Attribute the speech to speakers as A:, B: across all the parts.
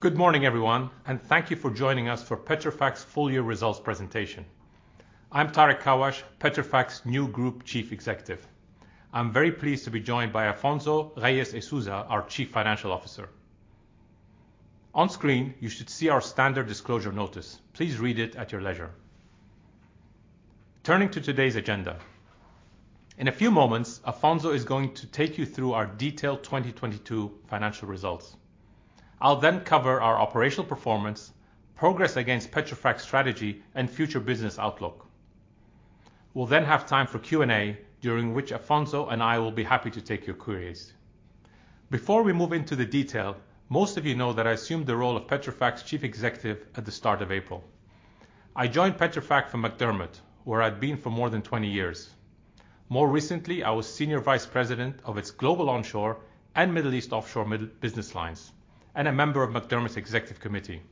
A: Good morning, everyone. Thank you for joining us for Petrofac's full year results presentation. I'm Tareq Kawash, Petrofac's new Group Chief Executive. I'm very pleased to be joined by Afonso Reis e Sousa, our Chief Financial Officer. On screen, you should see our standard disclosure notice. Please read it at your leisure. Turning to today's agenda. In a few moments, Afonso is going to take you through our detailed 2022 financial results. I'll then cover our operational performance, progress against Petrofac's strategy and future business outlook. We'll then have time for Q&A, during which Afonso and I will be happy to take your queries. Before we move into the detail, most of you know that I assumed the role of Petrofac's Chief Executive at the start of April. I joined Petrofac from McDermott, where I'd been for more than 20 years. More recently, I was senior vice president of its global onshore and Middle East offshore business lines, and a member of McDermott's executive committee.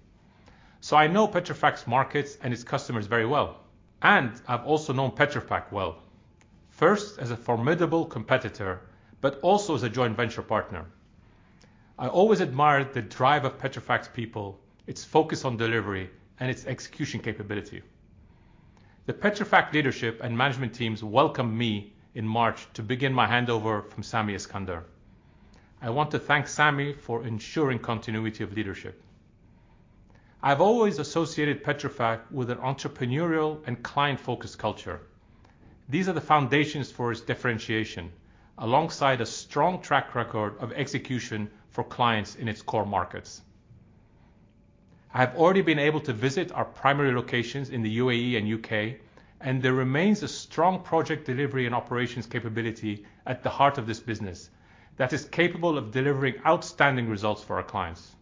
A: I know Petrofac's markets and its customers very well, and I've also known Petrofac well, first as a formidable competitor, but also as a joint venture partner. I always admired the drive of Petrofac's people, its focus on delivery and its execution capability. The Petrofac leadership and management teams welcomed me in March to begin my handover from Sami Iskander. I want to thank Sami for ensuring continuity of leadership. I've always associated Petrofac with an entrepreneurial and client-focused culture. These are the foundations for its differentiation alongside a strong track record of execution for clients in its core markets. I have already been able to visit our primary locations in the UAE and UK, and there remains a strong project delivery and operations capability at the heart of this business that is capable of delivering outstanding results for our clients.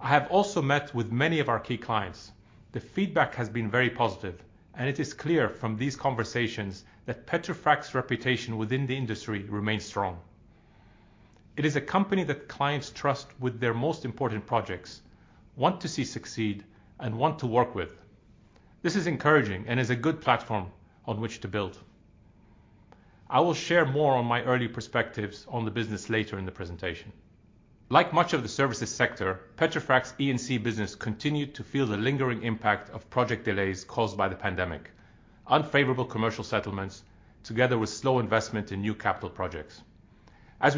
A: I have also met with many of our key clients. The feedback has been very positive, and it is clear from these conversations that Petrofac's reputation within the industry remains strong. It is a company that clients trust with their most important projects, want to see succeed and want to work with. This is encouraging and is a good platform on which to build. I will share more on my early perspectives on the business later in the presentation. Like much of the services sector, Petrofac's E&C business continued to feel the lingering impact of project delays caused by the pandemic, unfavorable commercial settlements, together with slow investment in new capital projects. This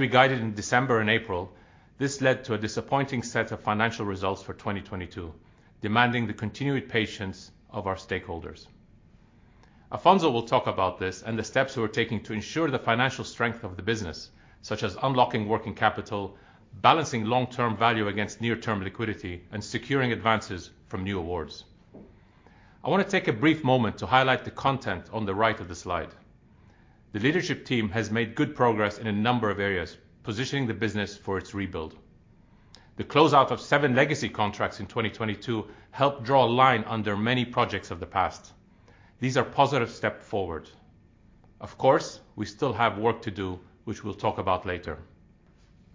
A: led to a disappointing set of financial results for 2022, demanding the continued patience of our stakeholders. Afonso will talk about this and the steps we're taking to ensure the financial strength of the business, such as unlocking working capital, balancing long-term value against near-term liquidity, and securing advances from new awards. I want to take a brief moment to highlight the content on the right of the slide. The leadership team has made good progress in a number of areas, positioning the business for its rebuild. The closeout of seven legacy contracts in 2022 helped draw a line under many projects of the past. These are positive step forward. Of course, we still have work to do, which we'll talk about later.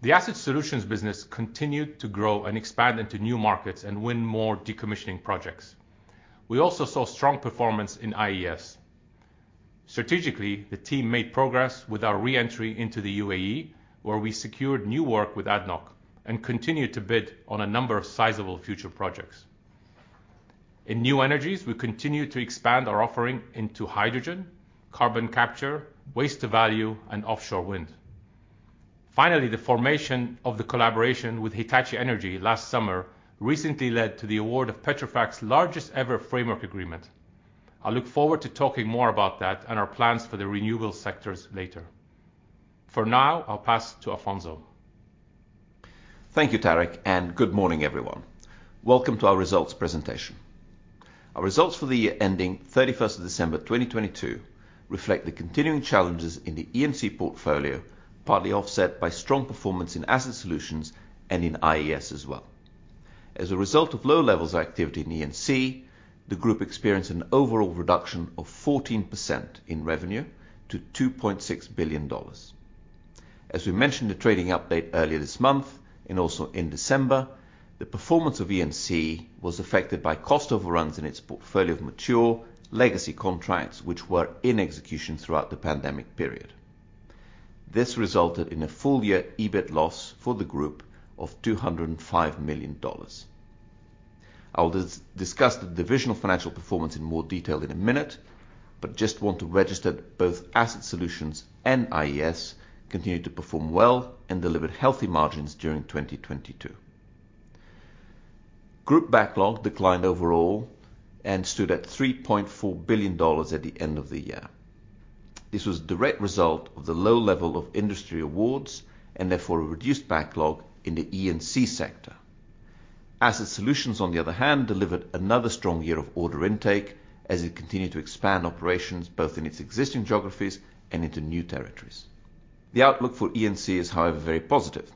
A: The Asset Solutions business continued to grow and expand into new markets and win more decommissioning projects. We also saw strong performance in IES. Strategically, the team made progress with our re-entry into the UAE, where we secured new work with ADNOC and continued to bid on a number of sizable future projects. In new energies, we continue to expand our offering into hydrogen, carbon capture, waste to value, and offshore wind. Finally, the formation of the collaboration with Hitachi Energy last summer recently led to the award of Petrofac's largest ever framework agreement. I look forward to talking more about that and our plans for the renewable sectors later. For now, I'll pass to Afonso.
B: Thank you, Tareq. Good morning, everyone. Welcome to our results presentation. Our results for the year ending December 31, 2022 reflect the continuing challenges in the E&C portfolio, partly offset by strong performance in Asset Solutions and in IES as well. As a result of low levels of activity in E&C, the group experienced an overall reduction of 14% in revenue to $2.6 billion. As we mentioned the trading update earlier this month and also in December, the performance of E&C was affected by cost overruns in its portfolio of mature legacy contracts which were in execution throughout the pandemic period. This resulted in a full year EBIT loss for the group of $205 million. I'll discuss the divisional financial performance in more detail in a minute. Just want to register both Asset Solutions and IES continued to perform well and delivered healthy margins during 2022. Group backlog declined overall and stood at $3.4 billion at the end of the year. This was a direct result of the low level of industry awards and therefore a reduced backlog in the E&C sector. Asset Solutions, on the other hand, delivered another strong year of order intake as it continued to expand operations both in its existing geographies and into new territories. The outlook for E&C is, however, very positive.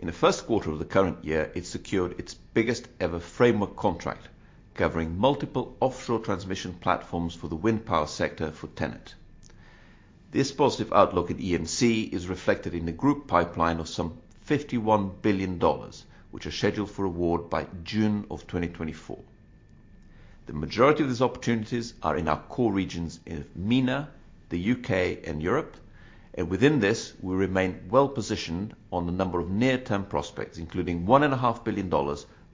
B: In the first quarter of the current year, it secured its biggest ever framework contract covering multiple offshore transmission platforms for the wind power sector for TenneT. This positive outlook at E&C is reflected in the group pipeline of some $51 billion, which are scheduled for award by June of 2024. The majority of these opportunities are in our core regions in MENA, the UK, and Europe. Within this, we remain well positioned on the number of near-term prospects, including $1.5 billion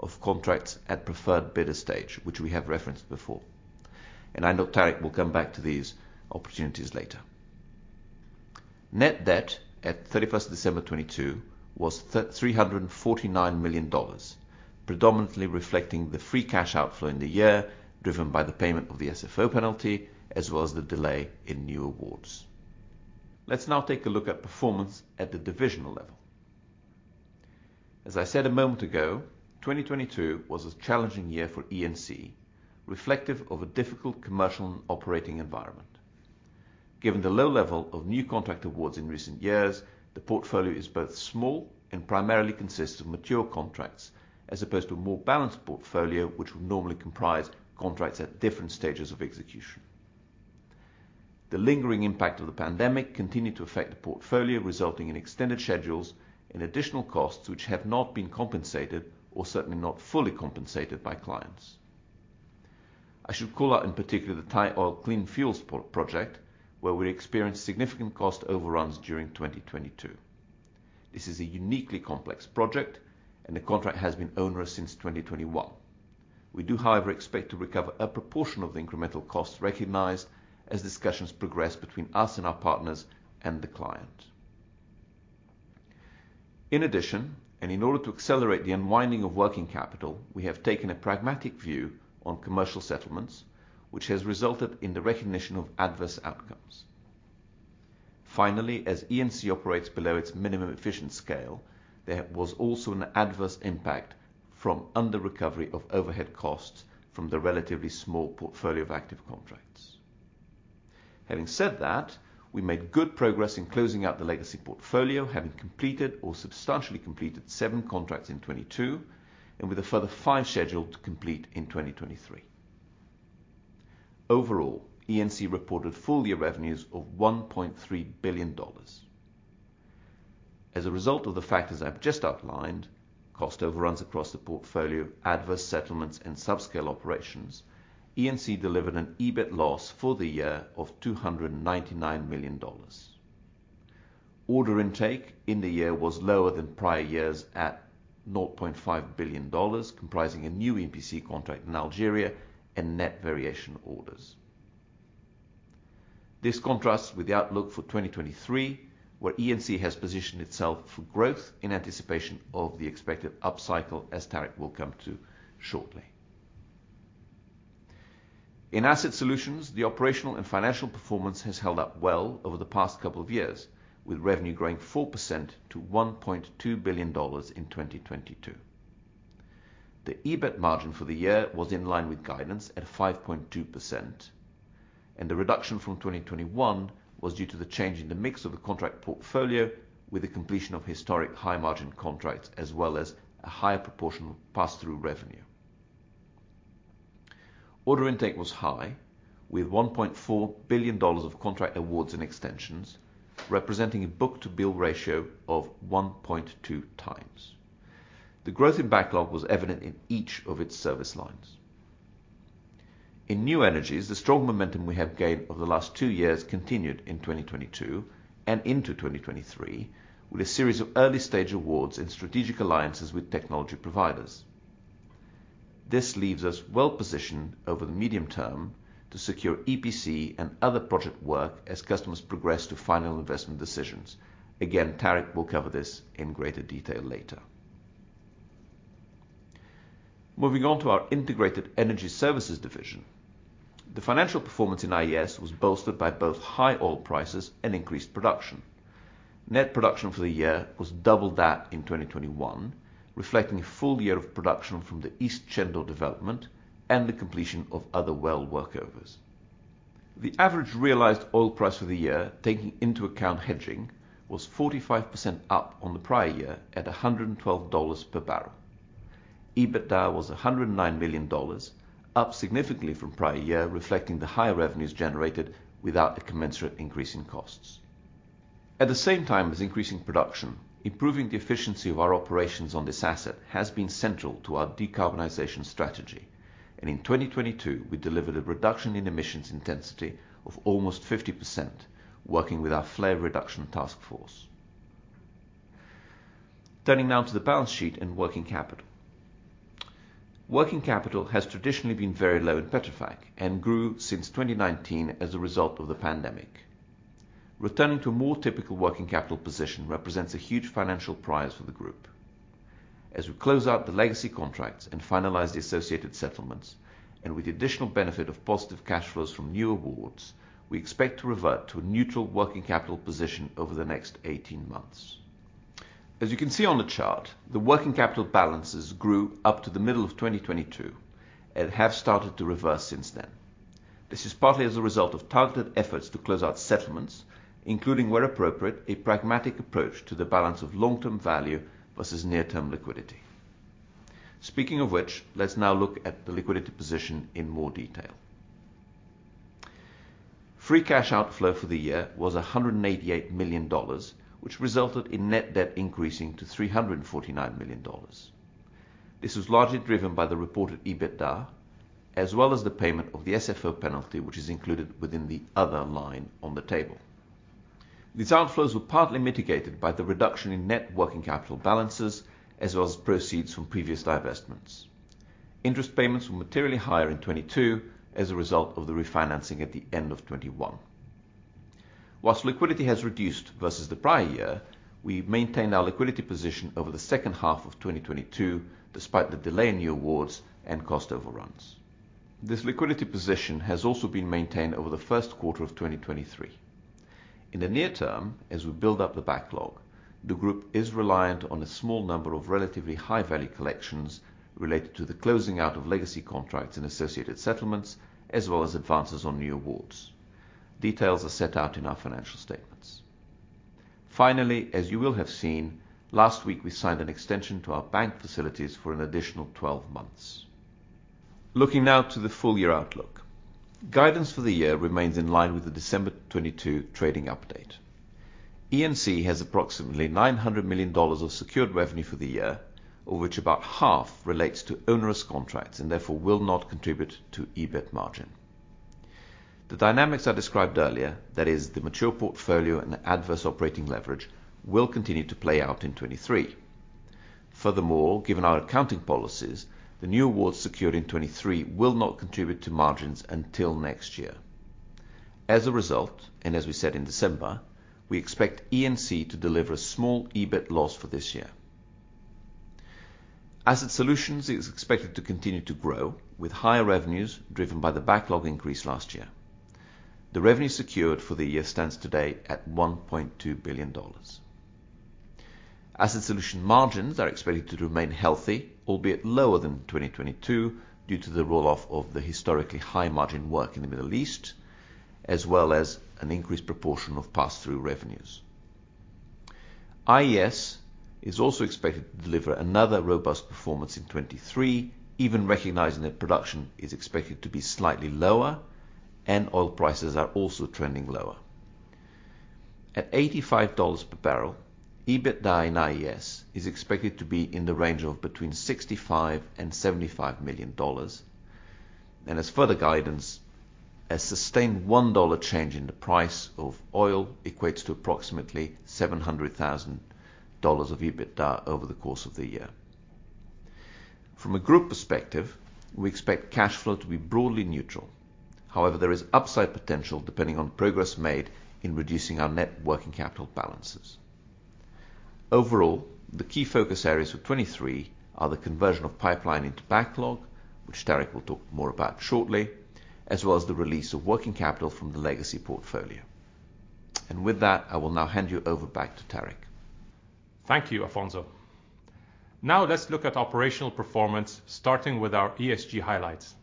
B: of contracts at preferred bidder stage, which we have referenced before. I know Tareq will come back to these opportunities later. Net debt at 31st of December 2022 was $349 million, predominantly reflecting the free cash outflow in the year, driven by the payment of the SFO penalty as well as the delay in new awards. Let's now take a look at performance at the divisional level. As I said a moment ago, 2022 was a challenging year for E&C, reflective of a difficult commercial operating environment. Given the low level of new contract awards in recent years, the portfolio is both small and primarily consists of mature contracts as opposed to a more balanced portfolio which would normally comprise contracts at different stages of execution. The lingering impact of the pandemic continued to affect the portfolio, resulting in extended schedules and additional costs which have not been compensated or certainly not fully compensated by clients. I should call out in particular the Thai Oil Clean Fuels project where we experienced significant cost overruns during 2022. This is a uniquely complex project. The contract has been onerous since 2021. We do, however, expect to recover a proportion of the incremental costs recognized as discussions progress between us and our partners and the client. In addition, in order to accelerate the unwinding of working capital, we have taken a pragmatic view on commercial settlements, which has resulted in the recognition of adverse outcomes. Finally, as E&C operates below its minimum efficient scale, there was also an adverse impact from under recovery of overhead costs from the relatively small portfolio of active contracts. Having said that, we made good progress in closing out the legacy portfolio, having completed or substantially completed 7 contracts in 2022 and with a further 5 scheduled to complete in 2023. Overall, E&C reported full year revenues of $1.3 billion. As a result of the factors I've just outlined, cost overruns across the portfolio, adverse settlements and subscale operations, E&C delivered an EBIT loss for the year of $299 million. Order intake in the year was lower than prior years at $0.5 billion, comprising a new EPC contract in Algeria and net variation orders. This contrasts with the outlook for 2023, where E&C has positioned itself for growth in anticipation of the expected upcycle, as Tareq will come to shortly. In Asset Solutions, the operational and financial performance has held up well over the past couple of years, with revenue growing 4% to $1.2 billion in 2022. The EBIT margin for the year was in line with guidance at 5.2%. The reduction from 2021 was due to the change in the mix of the contract portfolio with the completion of historic high margin contracts as well as a higher proportion of pass-through revenue. Order intake was high, with $1.4 billion of contract awards and extensions, representing a book-to-bill ratio of 1.2 times. The growth in backlog was evident in each of its service lines. In New Energies, the strong momentum we have gained over the last two years continued in 2022 and into 2023 with a series of early stage awards and strategic alliances with technology providers. This leaves us well positioned over the medium term to secure EPC and other project work as customers progress to final investment decisions. Again, Tareq will cover this in greater detail later. Moving on to our Integrated Energy Services division. The financial performance in IES was bolstered by both high oil prices and increased production. Net production for the year was double that in 2021, reflecting a full year of production from the East Cendor development and the completion of other well workovers. The average realized oil price for the year, taking into account hedging, was 45% up on the prior year at $112 per barrel. EBITDA was $109 million, up significantly from prior year, reflecting the higher revenues generated without a commensurate increase in costs. At the same time as increasing production, improving the efficiency of our operations on this asset has been central to our decarbonization strategy. In 2022, we delivered a reduction in emissions intensity of almost 50% working with our Flare Reduction Task Force. Turning now to the balance sheet and working capital. Working capital has traditionally been very low in Petrofac and grew since 2019 as a result of the pandemic. Returning to a more typical working capital position represents a huge financial prize for the group. As we close out the legacy contracts and finalize the associated settlements, and with the additional benefit of positive cash flows from new awards, we expect to revert to a neutral working capital position over the next 18 months. As you can see on the chart, the working capital balances grew up to the middle of 2022 and have started to reverse since then. This is partly as a result of targeted efforts to close out settlements, including where appropriate, a pragmatic approach to the balance of long-term value versus near-term liquidity. Speaking of which, let's now look at the liquidity position in more detail. Free cash outflow for the year was $188 million, which resulted in net debt increasing to $349 million. This was largely driven by the reported EBITDA, as well as the payment of the SFO penalty, which is included within the other line on the table. These outflows were partly mitigated by the reduction in net working capital balances as well as proceeds from previous divestments. Interest payments were materially higher in 2022 as a result of the refinancing at the end of 2021. Whilst liquidity has reduced versus the prior year, we maintained our liquidity position over the second half of 2022, despite the delay in new awards and cost overruns. This liquidity position has also been maintained over the first quarter of 2023. In the near term, as we build up the backlog, the group is reliant on a small number of relatively high-value collections related to the closing out of legacy contracts and associated settlements, as well as advances on new awards. Details are set out in our financial statements. Finally, as you will have seen, last week, we signed an extension to our bank facilities for an additional 12 months. Looking now to the full-year outlook. Guidance for the year remains in line with the December 2022 trading update. E&C has approximately $900 million of secured revenue for the year, of which about half relates to onerous contracts and therefore will not contribute to EBIT margin. The dynamics I described earlier, that is the mature portfolio and the adverse operating leverage, will continue to play out in 2023. Given our accounting policies, the new awards secured in 2023 will not contribute to margins until next year. As we said in December, we expect E&C to deliver a small EBIT loss for this year. Asset Solutions is expected to continue to grow with higher revenues driven by the backlog increase last year. The revenue secured for the year stands today at $1.2 billion. Asset Solution margins are expected to remain healthy, albeit lower than in 2022 due to the roll-off of the historically high-margin work in the Middle East, as well as an increased proportion of pass-through revenues. IES is also expected to deliver another robust performance in 2023, even recognizing that production is expected to be slightly lower and oil prices are also trending lower. At $85 per barrel, EBITDA in IES is expected to be in the range of between $65 million and $75 million. As further guidance, a sustained $1 change in the price of oil equates to approximately $700,000 of EBITDA over the course of the year. From a group perspective, we expect cash flow to be broadly neutral. However, there is upside potential depending on progress made in reducing our net working capital balances. Overall, the key focus areas for 2023 are the conversion of pipeline into backlog, which Tareq will talk more about shortly, as well as the release of working capital from the legacy portfolio. With that, I will now hand you over back to Tareq.
A: Thank you, Afonso. Let's look at operational performance, starting with our ESG highlights.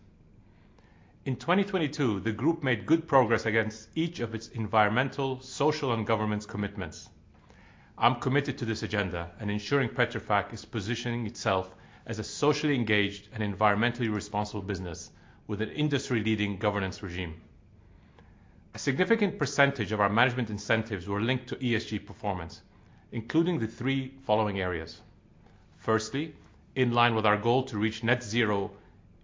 A: In 2022, the group made good progress against each of its environmental, social, and governance commitments. I'm committed to this agenda and ensuring Petrofac is positioning itself as a socially engaged and environmentally responsible business with an industry-leading governance regime. A significant percentage of our management incentives were linked to ESG performance, including the three following areas. Firstly, in line with our goal to reach net zero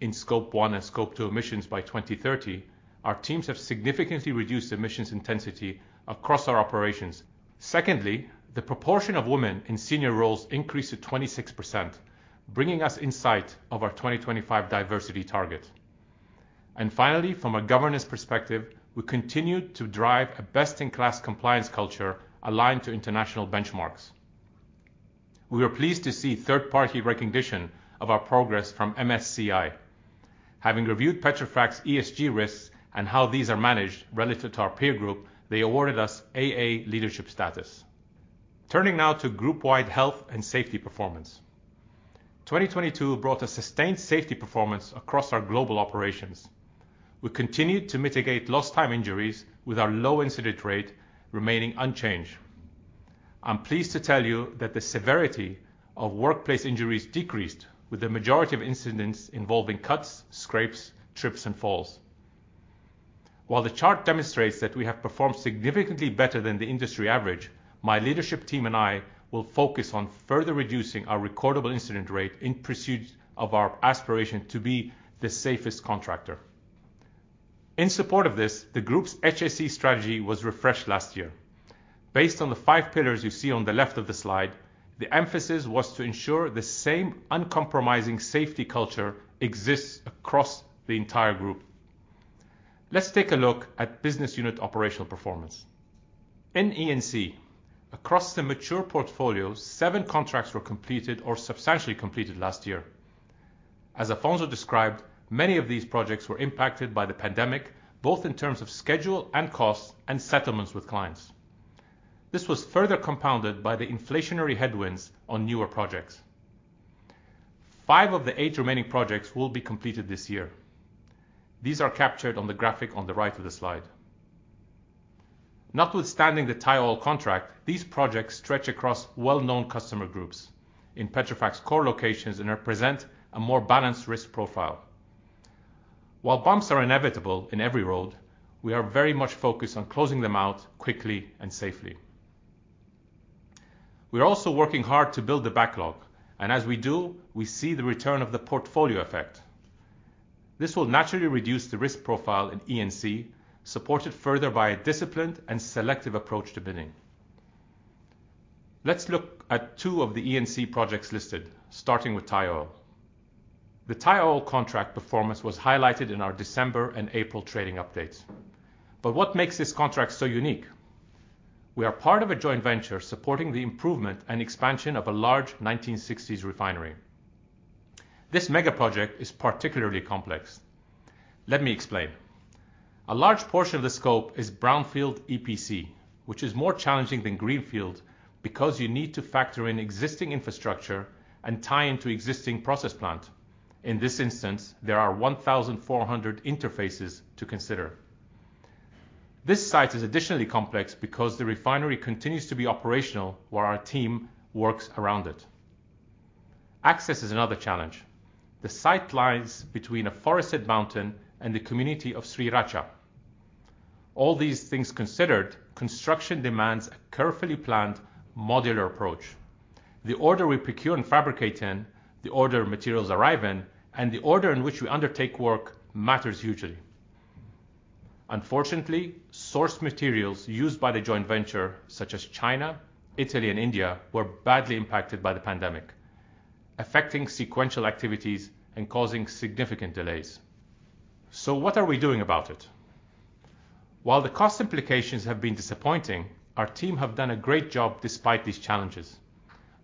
A: in Scope 1 and Scope 2 emissions by 2030, our teams have significantly reduced emissions intensity across our operations. Secondly, the proportion of women in senior roles increased to 26%, bringing us insight of our 2025 diversity target. Finally, from a governance perspective, we continued to drive a best-in-class compliance culture aligned to international benchmarks. We were pleased to see third-party recognition of our progress from MSCI. Having reviewed Petrofac's ESG risks and how these are managed relative to our peer group, they awarded us A Leadership status. Turning now to group-wide health and safety performance. 2022 brought a sustained safety performance across our global operations. We continued to mitigate lost time injuries with our low incident rate remaining unchanged. I'm pleased to tell you that the severity of workplace injuries decreased with the majority of incidents involving cuts, scrapes, trips, and falls. While the chart demonstrates that we have performed significantly better than the industry average, my leadership team and I will focus on further reducing our recordable incident rate in pursuit of our aspiration to be the safest contractor. In support of this, the group's HSE strategy was refreshed last year. Based on the five pillars you see on the left of the slide, the emphasis was to ensure the same uncompromising safety culture exists across the entire group. Let's take a look at business unit operational performance. In E&C, across the mature portfolio, seven contracts were completed or substantially completed last year. As Alfonso described, many of these projects were impacted by the pandemic, both in terms of schedule and costs and settlements with clients. This was further compounded by the inflationary headwinds on newer projects. Five of the eight remaining projects will be completed this year. These are captured on the graphic on the right of the slide. Notwithstanding the Thai Oil contract, these projects stretch across well-known customer groups in Petrofac's core locations and represent a more balanced risk profile. While bumps are inevitable in every road, we are very much focused on closing them out quickly and safely. We're also working hard to build the backlog, and as we do, we see the return of the portfolio effect. This will naturally reduce the risk profile in E&C, supported further by a disciplined and selective approach to bidding. Let's look at two of the E&C projects listed, starting with Thai Oil. The Thai Oil contract performance was highlighted in our December and April trading updates. What makes this contract so unique? We are part of a joint venture supporting the improvement and expansion of a large 1960s refinery. This mega project is particularly complex. Let me explain. A large portion of the scope is brownfield EPC, which is more challenging than greenfield because you need to factor in existing infrastructure and tie into existing process plant. In this instance, there are 1,400 interfaces to consider. This site is additionally complex because the refinery continues to be operational while our team works around it. Access is another challenge. The site lies between a forested mountain and the community of Sriracha. All these things considered, construction demands a carefully planned modular approach. The order we procure and fabricate in, the order materials arrive in, and the order in which we undertake work matters hugely. Unfortunately, source materials used by the joint venture, such as China, Italy, and India, were badly impacted by the pandemic, affecting sequential activities and causing significant delays. What are we doing about it? While the cost implications have been disappointing, our team have done a great job despite these challenges.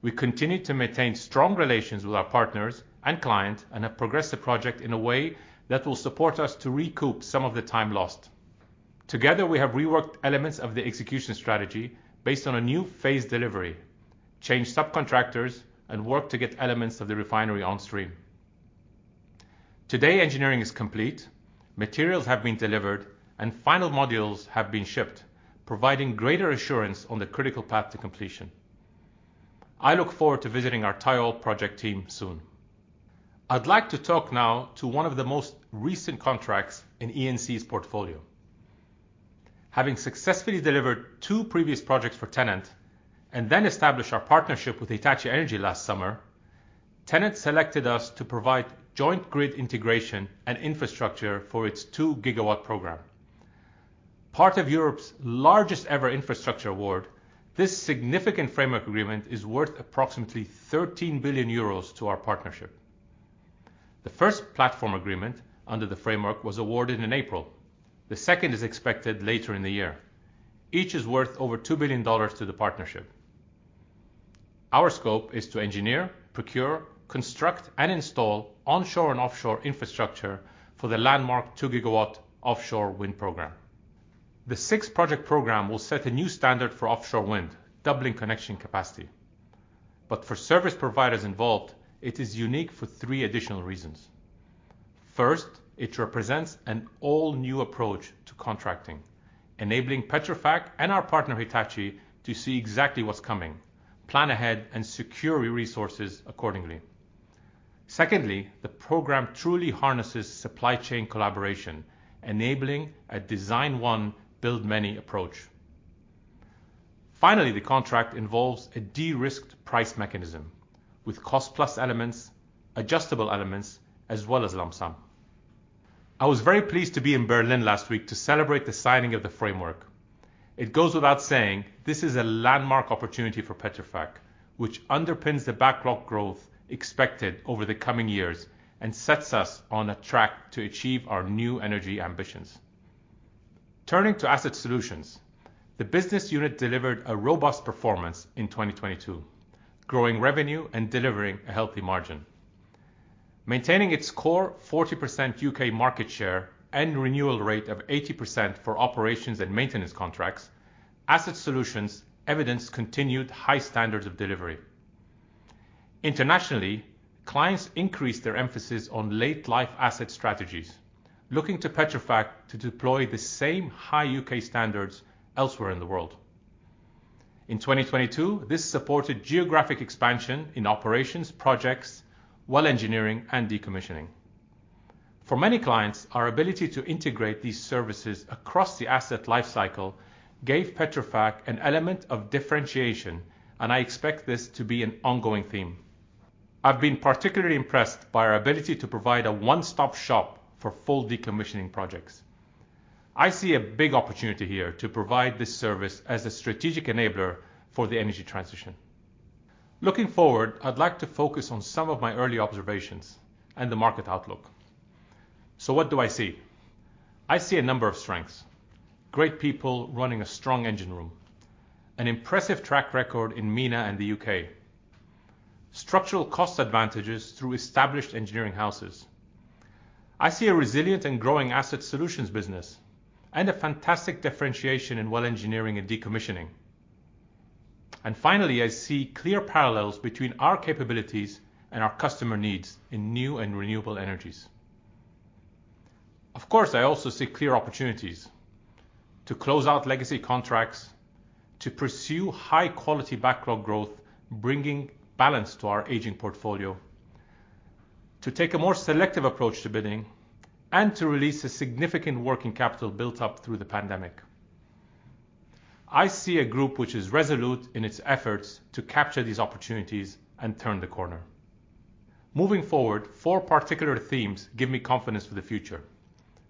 A: We continue to maintain strong relations with our partners and client and have progressed the project in a way that will support us to recoup some of the time lost. Together, we have reworked elements of the execution strategy based on a new phase delivery, changed subcontractors, and worked to get elements of the refinery on stream. Today, engineering is complete, materials have been delivered, and final modules have been shipped, providing greater assurance on the critical path to completion. I look forward to visiting our Thai Oil project team soon. I'd like to talk now to one of the most recent contracts in E&C's portfolio. Having successfully delivered two previous projects for TenneT and then established our partnership with Hitachi Energy last summer, TenneT selected us to provide joint grid integration and infrastructure for its 2GW program. Part of Europe's largest ever infrastructure award, this significant framework agreement is worth approximately 13 billion euros to our partnership. The first platform agreement under the framework was awarded in April. The second is expected later in the year. Each is worth over $2 billion to the partnership. Our scope is to engineer, procure, construct, and install onshore and offshore infrastructure for the landmark 2GW offshore wind program. The 6 project program will set a new standard for offshore wind, doubling connection capacity. For service providers involved, it is unique for 3 additional reasons. First, it represents an all new approach to contracting, enabling Petrofac and our partner Hitachi to see exactly what's coming, plan ahead, and secure resources accordingly. Secondly, the program truly harnesses supply chain collaboration, enabling a design one build many approach. Finally, the contract involves a de-risked price mechanism with cost plus elements, adjustable elements, as well as lump sum. I was very pleased to be in Berlin last week to celebrate the signing of the framework. It goes without saying, this is a landmark opportunity for Petrofac, which underpins the backlog growth expected over the coming years and sets us on a track to achieve our new energy ambitions. Turning to Asset Solutions, the business unit delivered a robust performance in 2022, growing revenue and delivering a healthy margin. Maintaining its core 40% UK market share and renewal rate of 80% for operations and maintenance contracts, Asset Solutions evidence continued high standards of delivery. Internationally, clients increased their emphasis on late life asset strategies, looking to Petrofac to deploy the same high UK standards elsewhere in the world. In 2022, this supported geographic expansion in operations, projects, well engineering, and decommissioning. For many clients, our ability to integrate these services across the asset life cycle gave Petrofac an element of differentiation, and I expect this to be an ongoing theme. I've been particularly impressed by our ability to provide a one-stop shop for full decommissioning projects. I see a big opportunity here to provide this service as a strategic enabler for the energy transition. Looking forward, I'd like to focus on some of my early observations and the market outlook. What do I see? I see a number of strengths. Great people running a strong engine room, an impressive track record in MENA and the UK, structural cost advantages through established engineering houses. I see a resilient and growing Asset Solutions business and a fantastic differentiation in well engineering and decommissioning. Finally, I see clear parallels between our capabilities and our customer needs in new and renewable energies. Of course, I also see clear opportunities to close out legacy contracts, to pursue high quality backlog growth, bringing balance to our aging portfolio, to take a more selective approach to bidding, and to release a significant working capital built up through the pandemic. I see a group which is resolute in its efforts to capture these opportunities and turn the corner. Moving forward, four particular themes give me confidence for the future.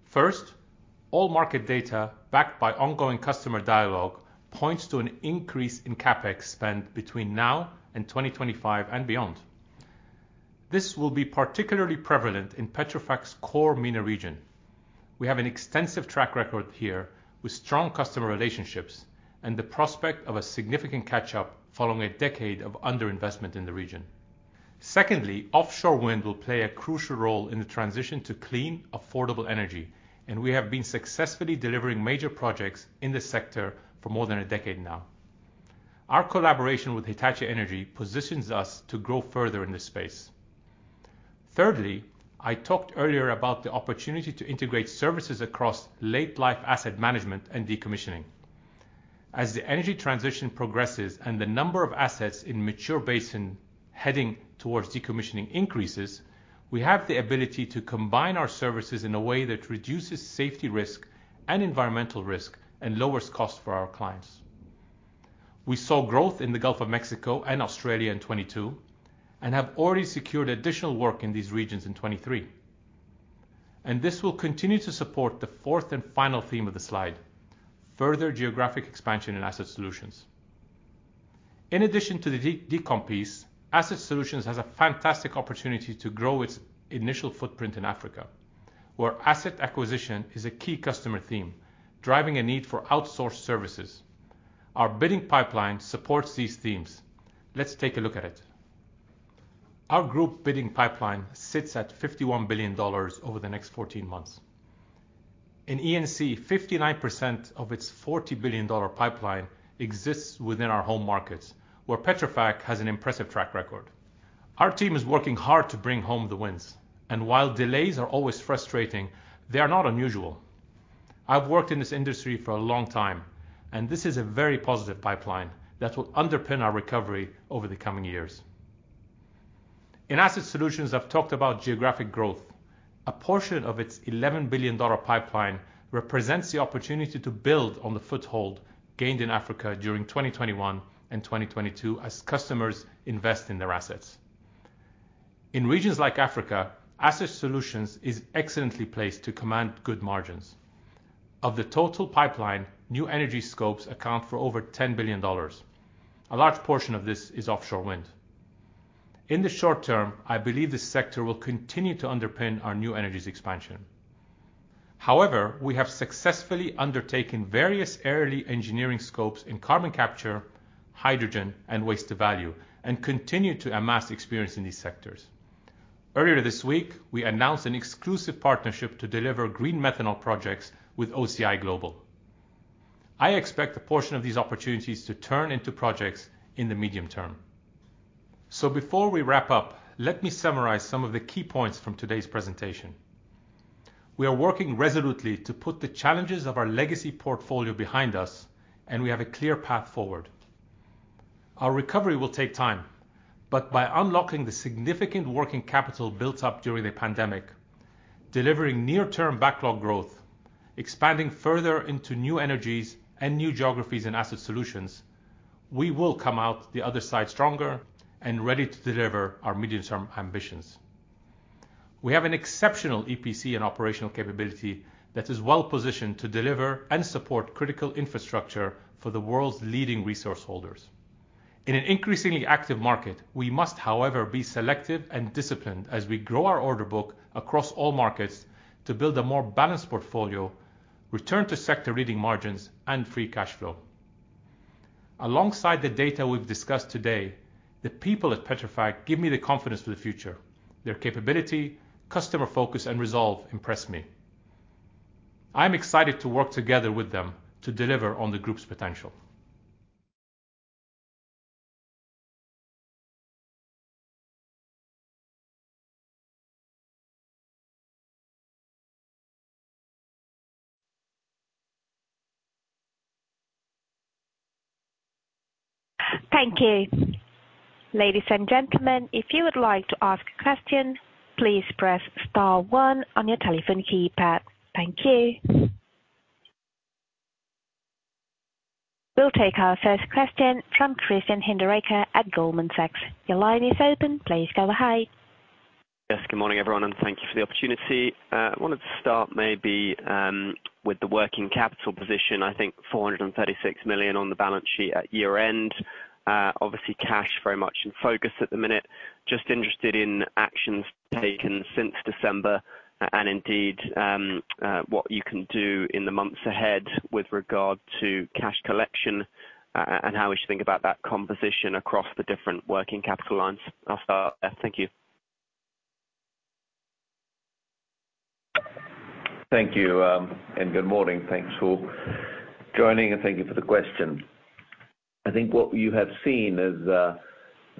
A: First, all market data, backed by ongoing customer dialogue, points to an increase in CapEx spend between now and 2025 and beyond. This will be particularly prevalent in Petrofac's core MENA region. We have an extensive track record here with strong customer relationships and the prospect of a significant catch-up following a decade of underinvestment in the region. Secondly, offshore wind will play a crucial role in the transition to clean, affordable energy. We have been successfully delivering major projects in this sector for more than a decade now. Our collaboration with Hitachi Energy positions us to grow further in this space. Thirdly, I talked earlier about the opportunity to integrate services across late life asset management and decommissioning. As the energy transition progresses and the number of assets in mature basin heading towards decommissioning increases, we have the ability to combine our services in a way that reduces safety risk and environmental risk and lowers costs for our clients. We saw growth in the Gulf of Mexico and Australia in 2022 and have already secured additional work in these regions in 2023. This will continue to support the fourth and final theme of the slide, further geographic expansion and Asset Solutions. In addition to the decom piece, Asset Solutions has a fantastic opportunity to grow its initial footprint in Africa, where asset acquisition is a key customer theme, driving a need for outsourced services. Our bidding pipeline supports these themes. Let's take a look at it. Our group bidding pipeline sits at $51 billion over the next 14 months. In E&C, 59% of its $40 billion pipeline exists within our home markets, where Petrofac has an impressive track record. While delays are always frustrating, they are not unusual. This is a very positive pipeline that will underpin our recovery over the coming years. In Asset Solutions, I've talked about geographic growth. A portion of its $11 billion pipeline represents the opportunity to build on the foothold gained in Africa during 2021 and 2022 as customers invest in their assets. In regions like Africa, Asset Solutions is excellently placed to command good margins. Of the total pipeline, new energy scopes account for over $10 billion. A large portion of this is offshore wind. In the short term, I believe this sector will continue to underpin our new energies expansion. We have successfully undertaken various early engineering scopes in carbon capture, hydrogen, and waste value and continue to amass experience in these sectors. Earlier this week, we announced an exclusive partnership to deliver green methanol projects with OCI Global. I expect a portion of these opportunities to turn into projects in the medium term. Before we wrap up, let me summarize some of the key points from today's presentation. We are working resolutely to put the challenges of our legacy portfolio behind us, and we have a clear path forward. Our recovery will take time, but by unlocking the significant working capital built up during the pandemic, delivering near-term backlog growth, expanding further into new energies and new geographies and Asset Solutions, we will come out the other side stronger and ready to deliver our medium-term ambitions. We have an exceptional EPC and operational capability that is well-positioned to deliver and support critical infrastructure for the world's leading resource holders. In an increasingly active market, we must, however, be selective and disciplined as we grow our order book across all markets to build a more balanced portfolio, return to sector-leading margins and free cash flow. Alongside the data we've discussed today, the people at Petrofac give me the confidence for the future. Their capability, customer focus, and resolve impress me. I'm excited to work together with them to deliver on the group's potential.
C: Thank you. Ladies and gentlemen, if you would like to ask a question, please press star one on your telephone keypad. Thank you. We'll take our first question from Christian Hinderaker at Goldman Sachs. Your line is open. Please go ahead.
D: Yes, good morning, everyone, thank you for the opportunity. I wanted to start maybe with the working capital position. I think $436 million on the balance sheet at year-end. Obviously cash very much in focus at the minute. Just interested in actions taken since December and indeed, what you can do in the months ahead with regard to cash collection, how we should think about that composition across the different working capital lines. Thank you.
B: Thank you. Good morning. Thanks for joining. Thank you for the question. I think what you have seen is the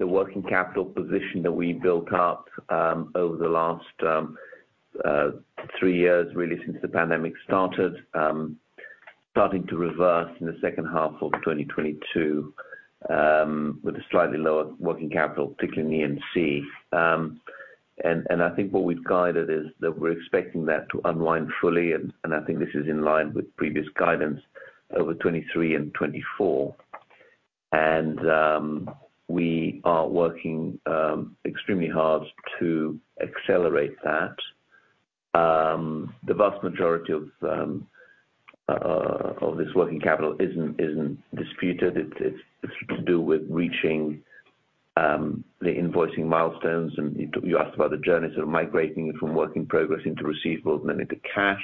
B: working capital position that we built up over the last three years, really since the pandemic started, starting to reverse in the second half of 2022 with a slightly lower working capital, particularly in E&C. I think what we've guided is that we're expecting that to unwind fully and I think this is in line with previous guidance over 2023 and 2024. We are working extremely hard to accelerate that. The vast majority of this working capital isn't disputed. It's to do with reaching the invoicing milestones. You, you asked about the journey, sort of migrating it from work in progress into receivables and then into cash.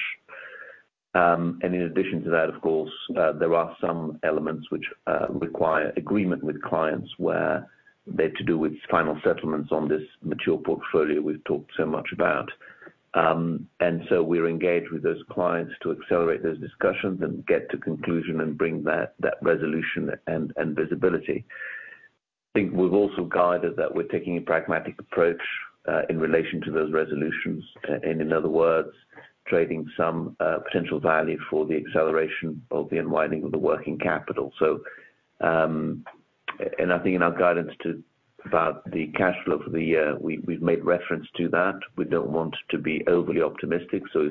B: In addition to that, of course, there are some elements which require agreement with clients where they're to do with final settlements on this mature portfolio we've talked so much about. So we're engaged with those clients to accelerate those discussions and get to conclusion and bring that resolution and visibility. Think we've also guided that we're taking a pragmatic approach in relation to those resolutions. In other words, trading some potential value for the acceleration of the unwinding of the working capital. I think in our guidance to, about the cash flow for the year, we've made reference to that. We don't want to be overly optimistic, so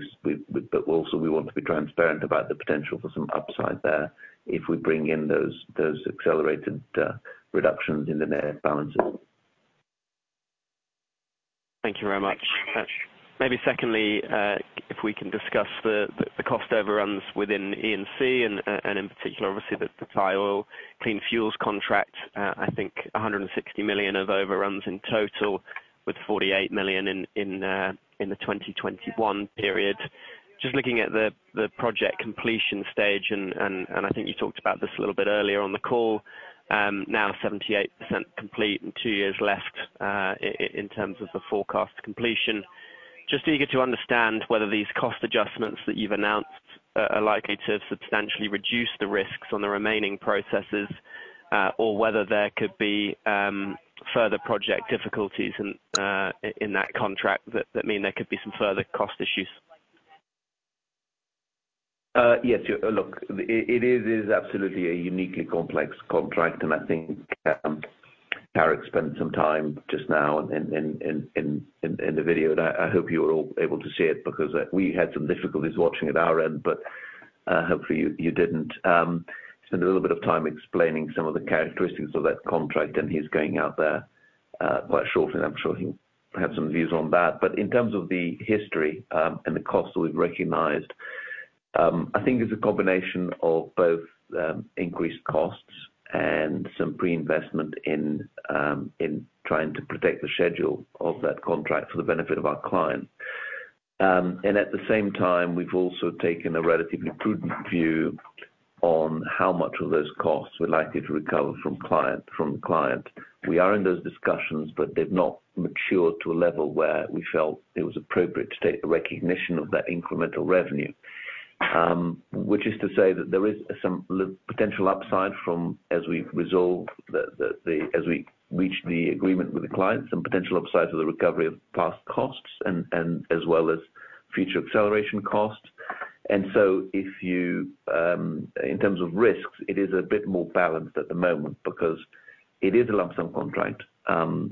B: but also we want to be transparent about the potential for some upside there if we bring in those accelerated reductions in the net balances.
D: Thank you very much. Maybe secondly, if we can discuss the cost overruns within E&C and in particular, obviously the Thai Oil Clean Fuels contract. I think $160 million of overruns in total with $48 million in the 2021 period. Just looking at the project completion stage and I think you talked about this a little bit earlier on the call. Now 78% complete and 2 years left in terms of the forecast completion. Just eager to understand whether these cost adjustments that you've announced are likely to substantially reduce the risks on the remaining processes, or whether there could be further project difficulties in that contract that mean there could be some further cost issues.
B: Yes. Look, it is absolutely a uniquely complex contract and I think Tarek spent some time just now in the video, and I hope you were all able to see it because we had some difficulties watching at our end, but hopefully you didn't. Spend a little bit of time explaining some of the characteristics of that contract and he's going out there quite shortly and I'm sure he'll have some views on that. In terms of the history and the costs we've recognized, I think it's a combination of both increased costs and some pre-investment in trying to protect the schedule of that contract for the benefit of our client. At the same time, we've also taken a relatively prudent view on how much of those costs we're likely to recover from client. We are in those discussions, but they've not matured to a level where we felt it was appropriate to take a recognition of that incremental revenue. Which is to say that there is some potential upside from as we reach the agreement with the client, some potential upside to the recovery of past costs and as well as future acceleration costs. If you in terms of risks, it is a bit more balanced at the moment because it is a lump sum contract.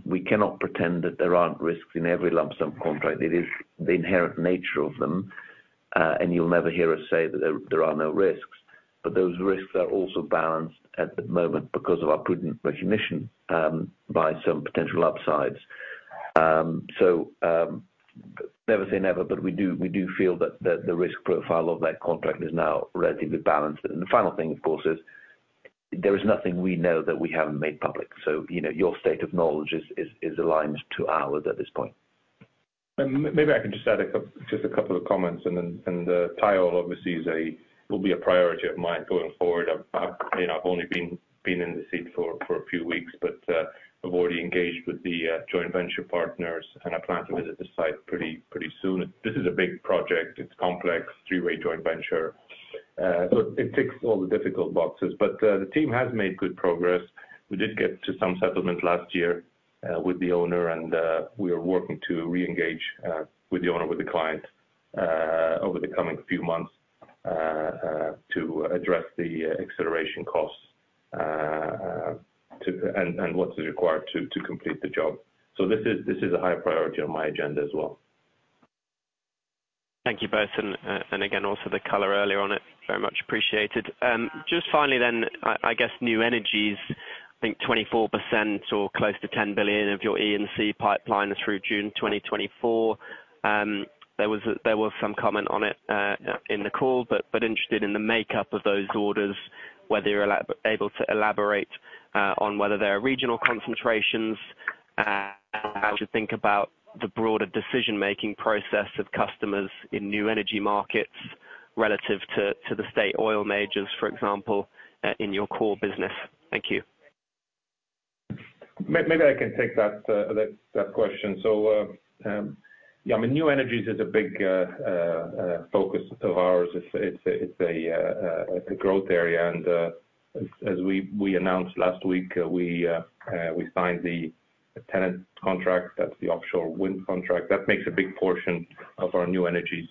B: We cannot pretend that there aren't risks in every lump sum contract. It is the inherent nature of them. You'll never hear us say that there are no risks. Those risks are also balanced at the moment because of our prudent recognition by some potential upsides. Never say never, but we do feel that the risk profile of that contract is now relatively balanced. The final thing, of course, is there is nothing we know that we haven't made public. You know, your state of knowledge is aligned to ours at this point.
A: Maybe I can just add a couple of comments. Thai Oil obviously is a, will be a priority of mine going forward. I've, you know, I've only been in the seat for a few weeks. I've already engaged with the joint venture partners and I plan to visit the site pretty soon. This is a big project. It's complex, three-way joint venture. It ticks all the difficult boxes. The team has made good progress. We did get to some settlement last year with the owner. We are working to reengage with the owner, with the client, over the coming few months to address the acceleration costs and what is required to complete the job. This is a high priority on my agenda as well.
D: Thank you both. Again, also the color earlier on it, very much appreciated. Just finally then, I guess new energies, I think 24% or close to $10 billion of your E&C pipeline through June 2024. There was some comment on it in the call, but interested in the makeup of those orders, whether you're able to elaborate on whether there are regional concentrations, how to think about the broader decision-making process of customers in new energy markets relative to the state oil majors, for example, in your core business. Thank you.
A: Maybe I can take that question. Yeah, I mean, new energies is a big focus of ours. It's a growth area. As we announced last week, we signed the TenneT contract. That's the offshore wind contract. That makes a big portion of our new energies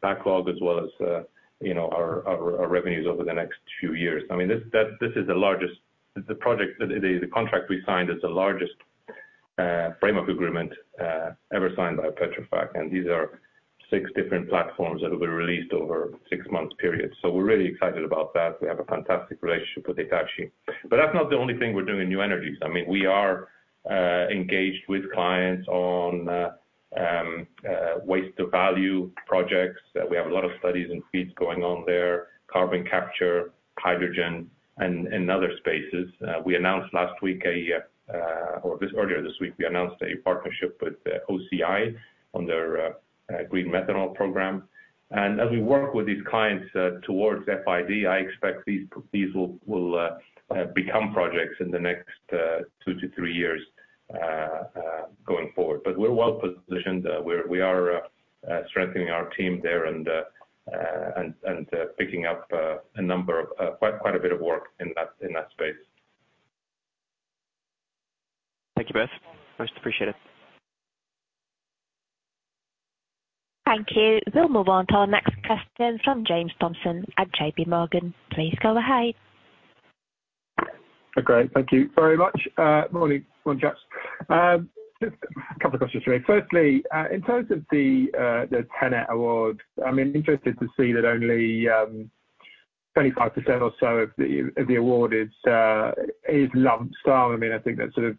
A: backlog, as well as, you know, our revenues over the next two years. I mean, this is the largest. The project, the contract we signed is the largest framework agreement ever signed by Petrofac. These are six different platforms that will be released over six months period. We're really excited about that. We have a fantastic relationship with Hitachi. That's not the only thing we're doing in new energies. I mean, we are engaged with clients on waste-to-value projects. We have a lot of studies and feeds going on there, carbon capture, hydrogen and other spaces. Earlier this week, we announced a partnership with OCI on their green methanol program. As we work with these clients towards FID, I expect these will become projects in the next 2 to 3 years going forward. We're well-positioned. We are strengthening our team there and picking up a number of quite a bit of work in that space.
D: Thank you both. Most appreciated.
C: Thank you. We'll move on to our next question from James Thompson at JPMorgan. Please go ahead.
E: Okay, thank you very much. Morning. Morning, chaps. Just a couple of questions for you. Firstly, in terms of the TenneT award, I'm interested to see that only 25% or so of the award is lump sum. I mean, I think that's a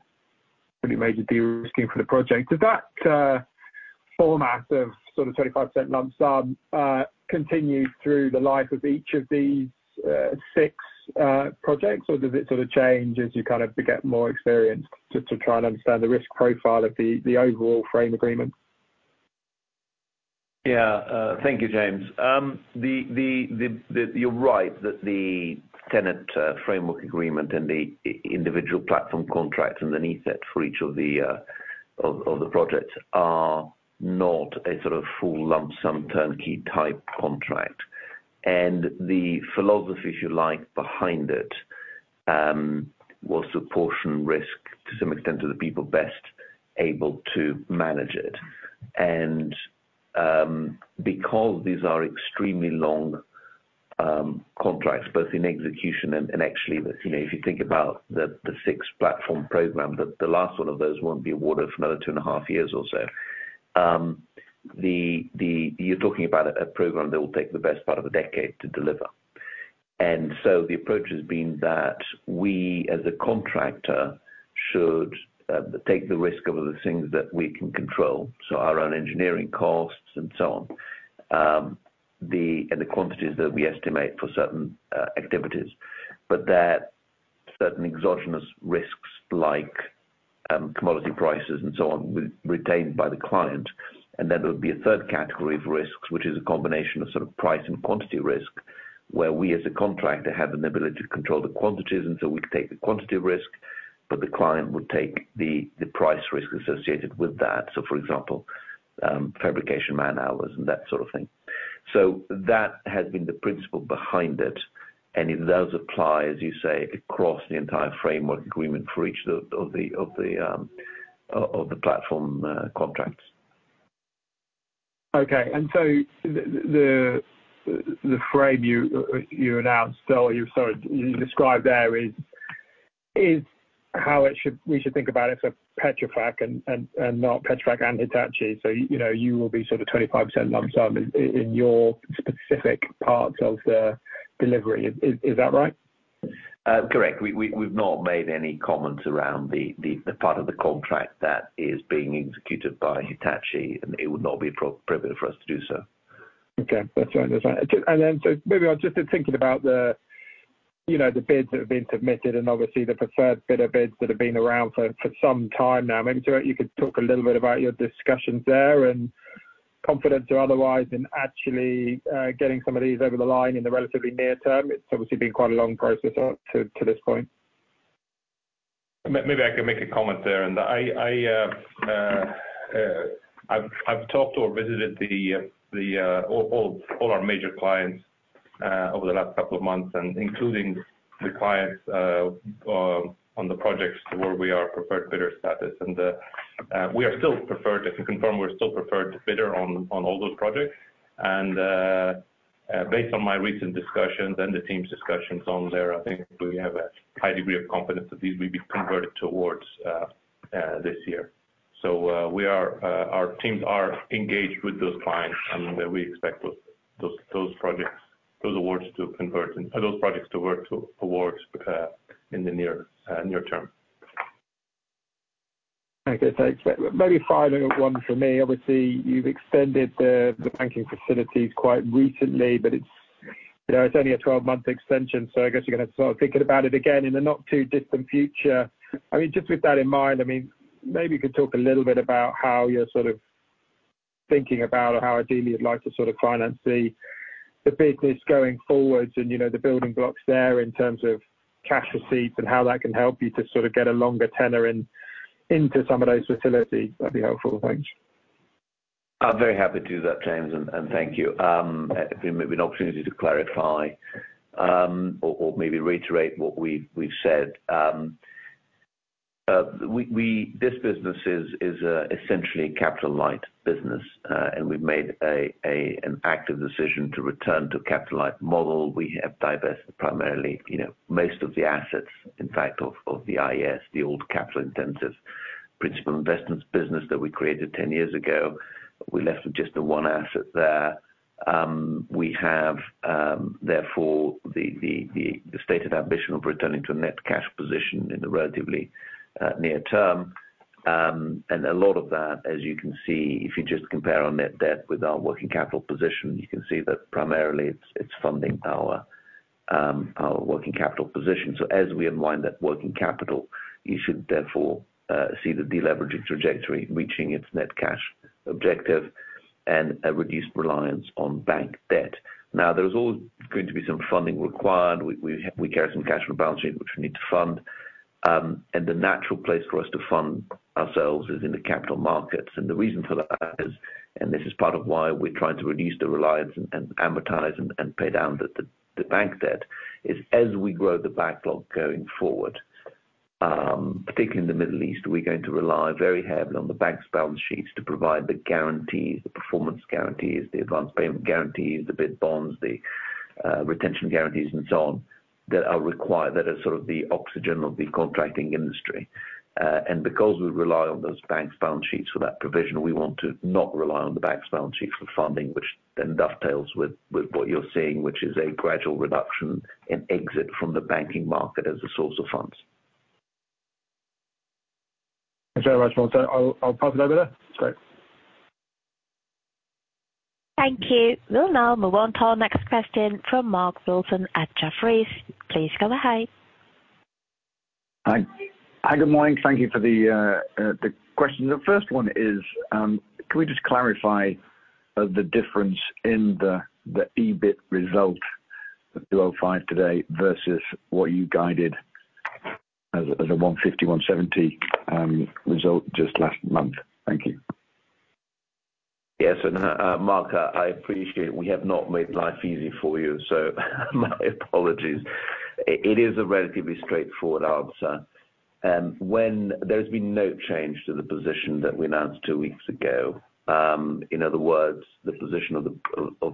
E: pretty major de-risking for the project. Does that format of sort of 25% lump sum continue through the life of each of these six projects? Does it sort of change as you kind of get more experience just to try and understand the risk profile of the overall frame agreement?
A: Thank you, James. You're right that the TenneT framework agreement and the individual platform contracts underneath it for each of the projects are not a sort of full lump sum turnkey type contract. The philosophy, if you like, behind it, was to portion risk to some extent of the people best able to manage it. Because these are extremely long contracts, both in execution and actually with, you know, if you think about the six-platform program, that the last one of those won't be awarded for another 2 and a half years or so. You're talking about a program that will take the best part of a decade to deliver. The approach has been that we, as a contractor, should take the risk of the things that we can control, so our own engineering costs and so on, and the quantities that we estimate for certain activities, but that certain exogenous risks like commodity prices and so on, we retained by the client. Then there would be a third category of risks, which is a combination of sort of price and quantity risk, where we as a contractor have an ability to control the quantities, and so we take the quantity risk, but the client would take the price risk associated with that. For example, fabrication man-hours and that sort of thing. That has been the principle behind it. It does apply, as you say, across the entire framework agreement for each of the platform contracts.
E: Okay. The frame you announced or you, sorry, you described there is how we should think about it for Petrofac and not Petrofac and Hitachi. You know, you will be sort of 25% lump sum in your specific parts of the delivery. Is that right?
A: Correct. We've not made any comments around the part of the contract that is being executed by Hitachi. It would not be appropriate for us to do so.
E: Okay. That's right. That's right. I'll just been thinking about the, you know, the bids that have been submitted and obviously the preferred bidder bids that have been around for some time now. You could talk a little bit about your discussions there and confidence or otherwise in actually getting some of these over the line in the relatively near term? It's obviously been quite a long process up to this point.
A: Maybe I can make a comment there. I've talked or visited the all our major clients over the last couple of months, including the clients on the projects where we are preferred bidder status. We are still preferred. I can confirm we're still preferred bidder on all those projects. Based on my recent discussions and the team's discussions on there, I think we have a high degree of confidence that these will be converted towards this year. We are our teams are engaged with those clients, and we expect those projects, those awards to convert and those projects to work towards in the near term.
E: Okay, thanks. Maybe final one for me. Obviously, you've extended the banking facilities quite recently, but it's, you know, it's only a 12-month extension. I guess you're gonna start thinking about it again in the not too distant future. I mean, just with that in mind, I mean, maybe you could talk a little bit about how you're sort of thinking about or how ideally you'd like to sort of finance the business going forwards and, you know, the building blocks there in terms of cash receipts and how that can help you to sort of get a longer tenor in, into some of those facilities. That'd be helpful. Thanks.
B: I'm very happy to do that, James, and thank you. It'd be maybe an opportunity to clarify, or maybe reiterate what we've said. This business is, essentially a capital light business, and we've made an active decision to return to capital light model. We have divested primarily, you know, most of the assets, in fact, of the IES, the old capital intensive principal investments business that we created 10 years ago. We're left with just the one asset there. We have, therefore, the stated ambition of returning to a net cash position in the relatively, near term. A lot of that, as you can see, if you just compare our net debt with our working capital position, you can see that primarily it's funding our working capital position. As we unwind that working capital, you should therefore see the deleveraging trajectory reaching its net cash objective and a reduced reliance on bank debt. There's always going to be some funding required. We carry some cash from balance sheet, which we need to fund. The natural place for us to fund ourselves is in the capital markets. The reason for that is, and this is part of why we're trying to reduce the reliance and amortize and pay down the bank debt, is as we grow the backlog going forward, particularly in the Middle East, we're going to rely very heavily on the bank's balance sheets to provide the guarantees, the performance guarantees, the advanced payment guarantees, the bid bonds, the retention guarantees and so on, that are required, that are sort of the oxygen of the contracting industry. Because we rely on those banks' balance sheets for that provision, we want to not rely on the banks' balance sheets for funding, which then dovetails with what you're seeing, which is a gradual reduction in exit from the banking market as a source of funds.
E: Thanks very much, Walter. I'll pop it over there. Great.
C: Thank you. We'll now move on to our next question from Mark Wilson at Jefferies. Please go ahead.
F: Hi, good morning. Thank you for the questions. The first one is, can we just clarify the difference in the EBIT result, the $205 today versus what you guided as a $150, $170 result just last month? Thank you.
B: Yes. Mark, I appreciate we have not made life easy for you, so my apologies. It is a relatively straightforward answer. When there's been no change to the position that we announced two weeks ago, in other words, the position of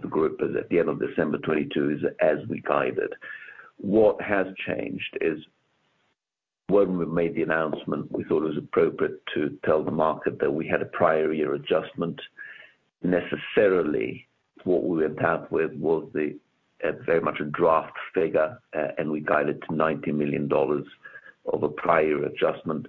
B: the group as at the end of December 2022 is as we guided. What has changed is when we made the announcement, we thought it was appropriate to tell the market that we had a prior year adjustment. Necessarily, what we went out with was the very much a draft figure, and we guided to $90 million of a prior adjustment.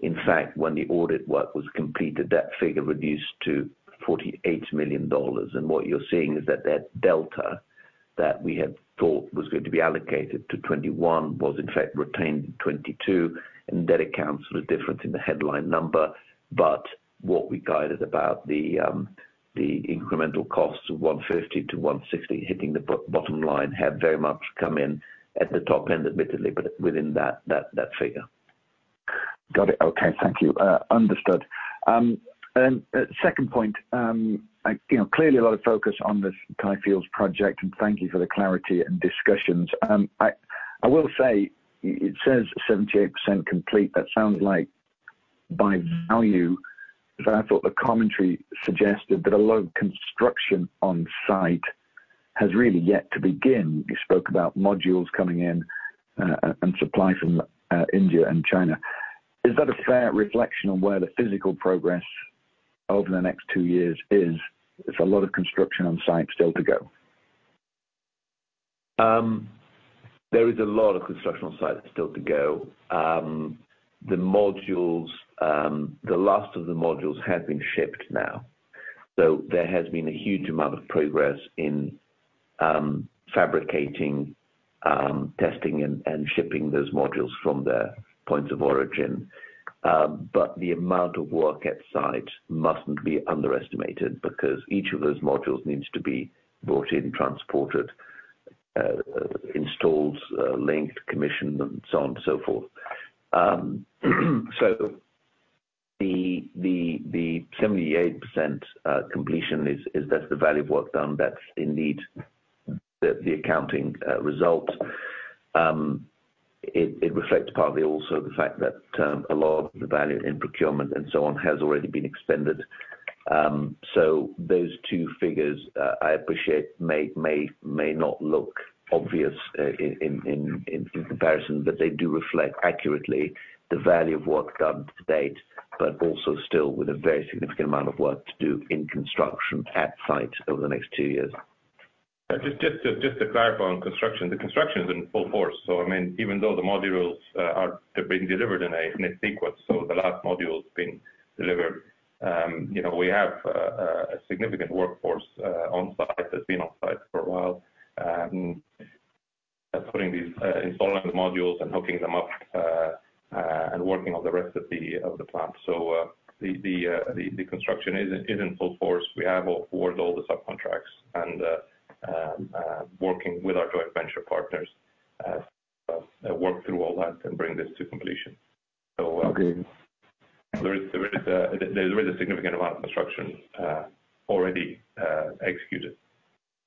B: In fact, when the audit work was completed, that figure reduced to $48 million. What you're seeing is that delta that we had thought was going to be allocated to 21 was in fact retained in 22, and that accounts for the difference in the headline number. What we guided about the incremental costs of $150-$160 hitting the bottom line have very much come in at the top end, admittedly, but within that figure.
F: Got it. Okay. Thank you. Understood. Second point. I, you know, clearly a lot of focus on this Thai Oil Clean Fuels project, and thank you for the clarity and discussions. I will say it says 78% complete. That sounds like by value, I thought the commentary suggested that a lot of construction on site has really yet to begin. You spoke about modules coming in, and supply from India and China. Is that a fair reflection on where the physical progress over the next 2 years is? If a lot of construction on site still to go.
B: There is a lot of construction on site still to go. The modules, the last of the modules have been shipped now. There has been a huge amount of progress in fabricating, testing and shipping those modules from their points of origin. The amount of work at site mustn't be underestimated because each of those modules needs to be brought in, transported, installed, linked, commissioned and so on and so forth. The 78% completion is that's the value of work done. That's indeed the accounting result. It reflects partly also the fact that a lot of the value in procurement and so on has already been extended. Those 2 figures, I appreciate may not look obvious, in comparison, but they do reflect accurately the value of work done to date, but also still with a very significant amount of work to do in construction at site over the next 2 years.
A: Just to clarify on construction. The construction is in full force. I mean, even though the modules are, have been delivered in a sequence, so the last module's been delivered, you know, we have a significant workforce on site, that's been on site for a while. Putting these, installing the modules and hooking them up and working on the rest of the plant. The construction is in full force. We have awarded all the subcontracts and working with our joint venture partners, work through all that and bring this to completion.
F: Okay.
A: There is a significant amount of construction already executed.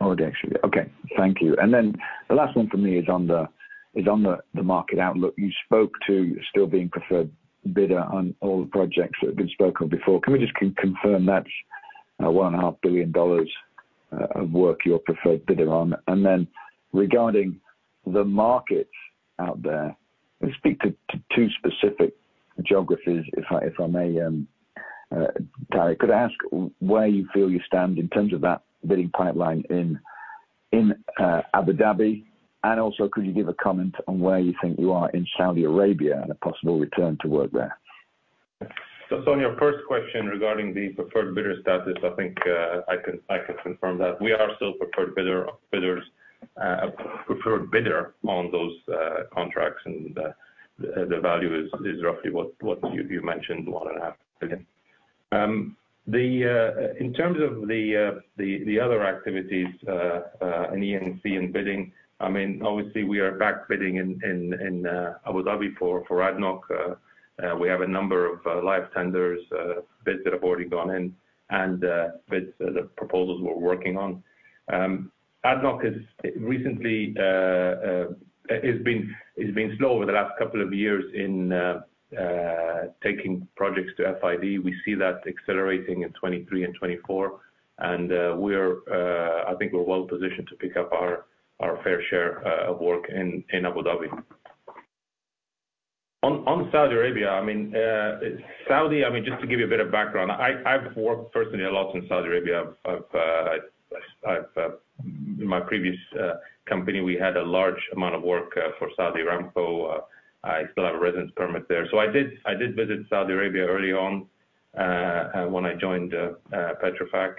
F: Already executed. Okay. Thank you. The last one for me is on the market outlook. You spoke to still being preferred bidder on all the projects that have been spoken before. Can we just confirm that's $1.5 billion of work you're preferred bidder on? Regarding the markets out there, speak to two specific geographies, if I may, Gary. Could I ask where you feel you stand in terms of that bidding pipeline in Abu Dhabi, and also could you give a comment on where you think you are in Saudi Arabia and a possible return to work there?
A: On your first question regarding the preferred bidder status, I think I can confirm that. We are still preferred bidder on those contracts. The value is roughly what you mentioned, one and a half billion. In terms of the other activities in E&C and bidding, I mean, obviously we are back bidding in Abu Dhabi for ADNOC. We have a number of live tenders, bids that have already gone in, the proposals we're working on. ADNOC has recently been slow over the last couple of years in taking projects to FID. We see that accelerating in 2023 and 2024. We're, I think we're well positioned to pick up our fair share of work in Abu Dhabi. On Saudi Arabia, I mean, Saudi, I mean, just to give you a bit of background, I've worked personally a lot in Saudi Arabia. I've, my previous company, we had a large amount of work for Saudi Aramco. I still have a residence permit there. I did visit Saudi Arabia early on when I joined Petrofac,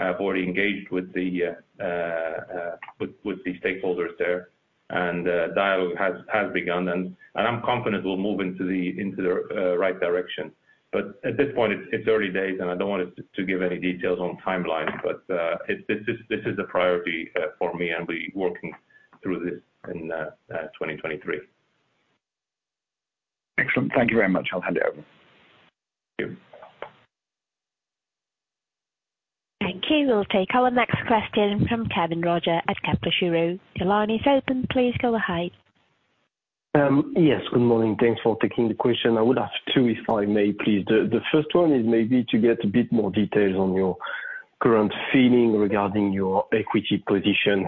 A: I've already engaged with the stakeholders there. Dialogue has begun and I'm confident we'll move into the right direction. At this point it's early days and I don't want to give any details on timelines. This is a priority for me and be working through this in 2023.
F: Excellent. Thank you very much. I'll hand it over.
A: Thank you.
C: Thank you. We'll take our next question from Kevin Roger at Kepler Cheuvreux. Your line is open. Please go ahead.
G: Yes. Good morning. Thanks for taking the question. I would ask two if I may, please. The first one is maybe to get a bit more details on your current feeling regarding your equity position.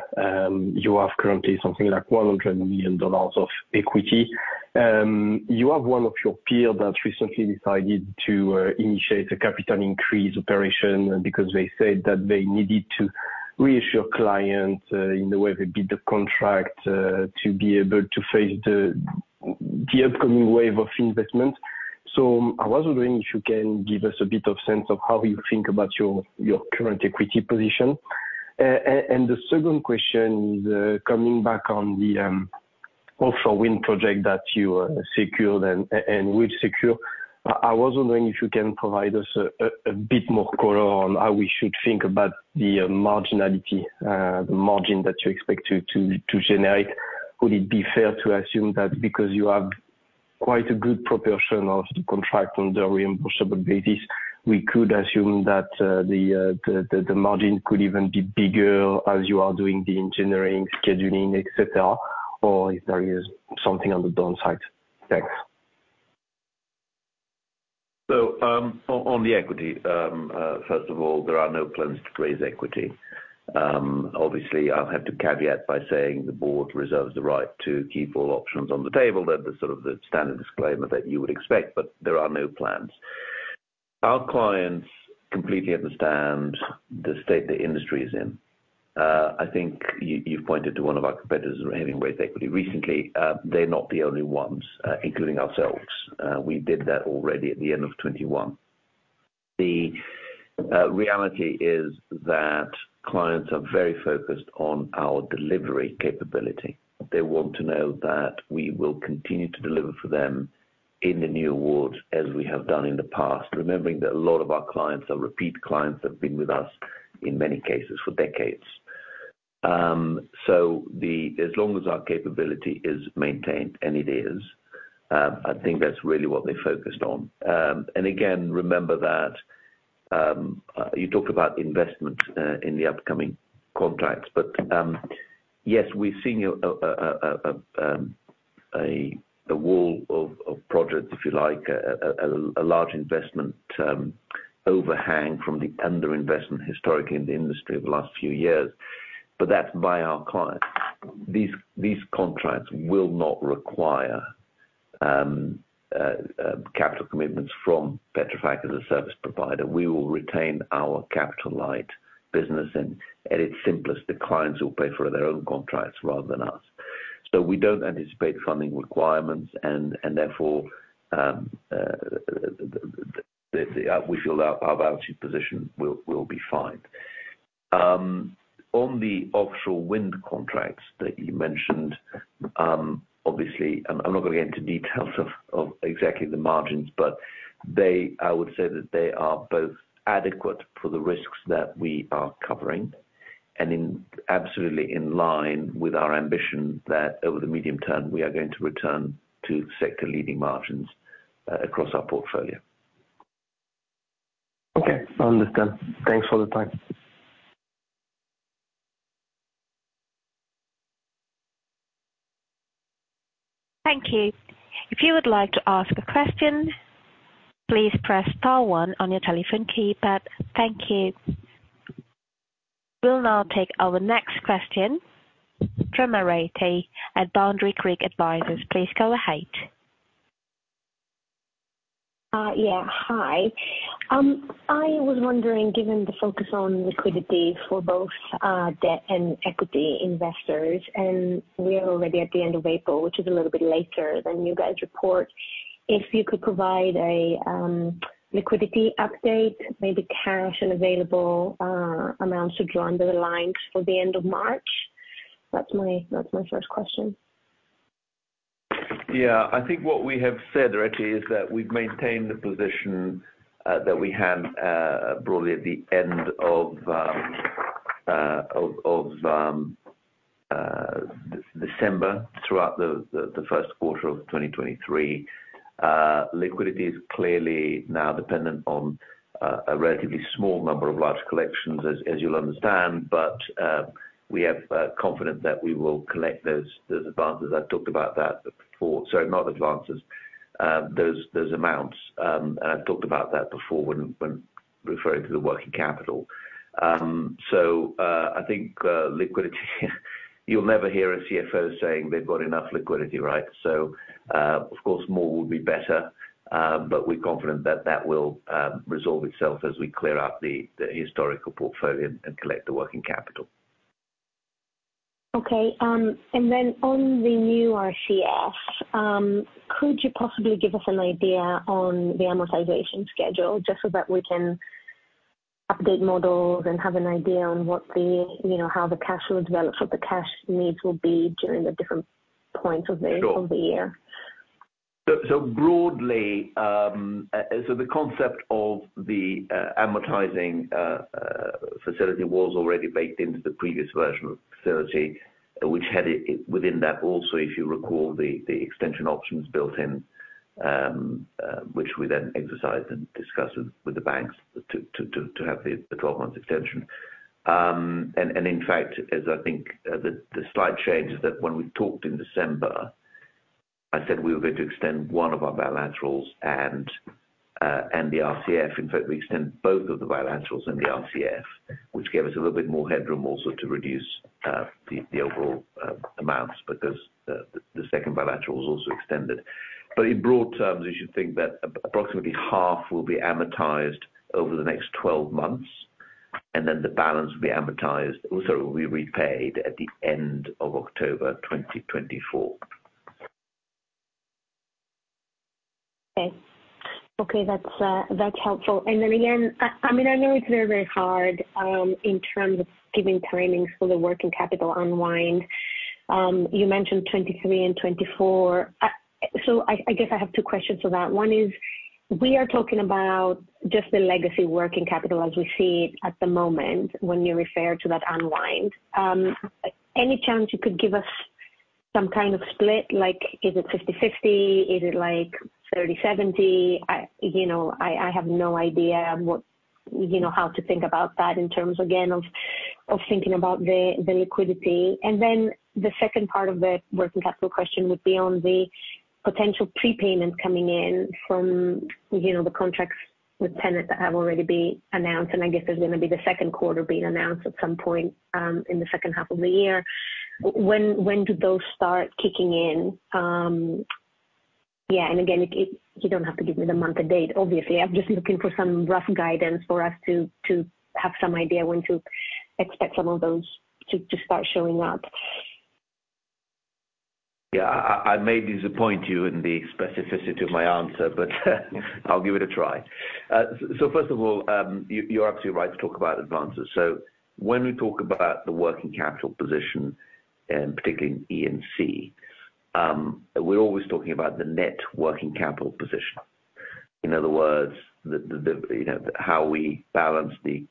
G: You have currently something like $100 million of equity. You have one of your peers that recently decided to initiate a capital increase operation because they said that they needed to reassure clients in the way they bid the contract to be able to face the upcoming wave of investment. I was wondering if you can give us a bit of sense of how you think about your current equity position. And the second question is coming back on the offshore wind project that you secured and will secure. I was wondering if you can provide us a bit more color on how we should think about the marginality, the margin that you expect to generate. Would it be fair to assume that because you have quite a good proportion of the contract on the reimbursable basis, we could assume that the margin could even be bigger as you are doing the engineering, scheduling, et cetera, or if there is something on the downside? Thanks.
B: On the equity. First of all, there are no plans to raise equity. Obviously, I'll have to caveat by saying the board reserves the right to keep all options on the table. That sort of the standard disclaimer that you would expect. There are no plans. Our clients completely understand the state the industry is in. I think you've pointed to one of our competitors raising equity recently. They're not the only ones, including ourselves. We did that already at the end of 2021. The reality is that clients are very focused on our delivery capability. They want to know that we will continue to deliver for them in the new awards as we have done in the past. Remembering that a lot of our clients are repeat clients that have been with us, in many cases for decades. The, as long as our capability is maintained and it is, I think that's really what they're focused on. Again, remember that, you talked about investment, in the upcoming contracts. Yes, we've seen a wall of projects, if you like, a large investment overhang from the underinvestment historically in the industry over the last few years, but that's by our clients. These contracts will not require capital commitments from Petrofac as a service provider. We will retain our capital light business. At its simplest, the clients will pay for their own contracts rather than us. We don't anticipate funding requirements and therefore that we feel our balance sheet position will be fine. On the offshore wind contracts that you mentioned, obviously I'm not gonna get into details of exactly the margins, but I would say that they are both adequate for the risks that we are covering and in absolutely in line with our ambition that over the medium term, we are going to return to sector-leading margins across our portfolio.
G: Okay. Understand. Thanks for the time.
C: Thank you. If you would like to ask a question, please press star one on your telephone keypad. Thank you. We'll now take our next question. From Areti at Boundary Creek Advisors. Please go ahead.
H: Yeah. Hi. I was wondering, given the focus on liquidity for both debt and equity investors, and we are already at the end of April, which is a little bit later than you guys report, if you could provide a liquidity update, maybe cash and available amounts to draw under the lines for the end of March. That's my first question.
B: Yeah. I think what we have said, Areti, is that we've maintained the position that we had broadly at the end of December throughout the first quarter of 2023. Liquidity is clearly now dependent on a relatively small number of large collections as you'll understand. We have confident that we will collect those advances. I've talked about that before. Sorry, not advances, those amounts. I've talked about that before when referring to the working capital. I think liquidity you'll never hear a CFO saying they've got enough liquidity, right? Of course more would be better, but we're confident that that will resolve itself as we clear up the historical portfolio and collect the working capital.
H: Okay. On the new RCF, could you possibly give us an idea on the amortization schedule, just so that we can update models and have an idea on what the, you know, how the cash flow develops, what the cash needs will be during the different points of the...
B: Sure.
H: of the year?
B: Broadly, the concept of the amortizing facility was already baked into the previous version of facility, which had it within that also, if you recall, the extension options built in, which we then exercised and discussed with the banks to have the 12 months extension. In fact, as I think, the slight change is that when we talked in December, I said we were going to extend one of our bilaterals and the RCF. In fact, we extended both of the bilaterals and the RCF, which gave us a little bit more headroom also to reduce the overall amounts because the second bilateral was also extended. In broad terms, you should think that approximately half will be amortized over the next 12 months, the balance will be repaid at the end of October 2024.
H: Okay. Okay, that's helpful. Again, I mean, I know it's very, very hard in terms of giving timings for the working capital unwind. You mentioned 2023 and 2024. I guess I have two questions for that. One is, we are talking about just the legacy working capital as we see it at the moment when you refer to that unwind. Any chance you could give us some kind of split, like is it 50/50? Is it like 30/70? I, you know, I have no idea what, you know, how to think about that in terms, again, of thinking about the liquidity. The second part of the working capital question would be on the potential prepayment coming in from, you know, the contracts with TenneT that have already been announced, and I guess there's gonna be the second quarter being announced at some point in the second half of the year. When do those start kicking in? Yeah, and again, You don't have to give me the month and date, obviously. I'm just looking for some rough guidance for us to have some idea when to expect some of those to start showing up.
B: I may disappoint you in the specificity of my answer, but I'll give it a try. First of all, you're absolutely right to talk about advances. When we talk about the working capital position, and particularly in E&C, we're always talking about the net working capital position. In other words, the, you know, how we balance the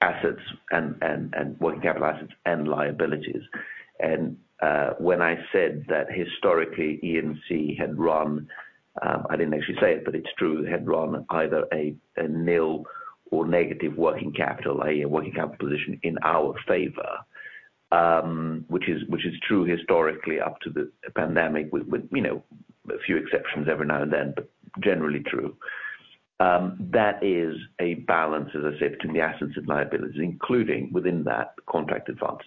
B: assets and working capital assets and liabilities. When I said that historically E&C had run, I didn't actually say it, but it's true, had run either a nil or negative working capital, i.e. a working capital position in our favor, which is true historically up to the pandemic with, you know, a few exceptions every now and then, but generally true. That is a balance, as I said, between the assets and liabilities, including within that, contract advances.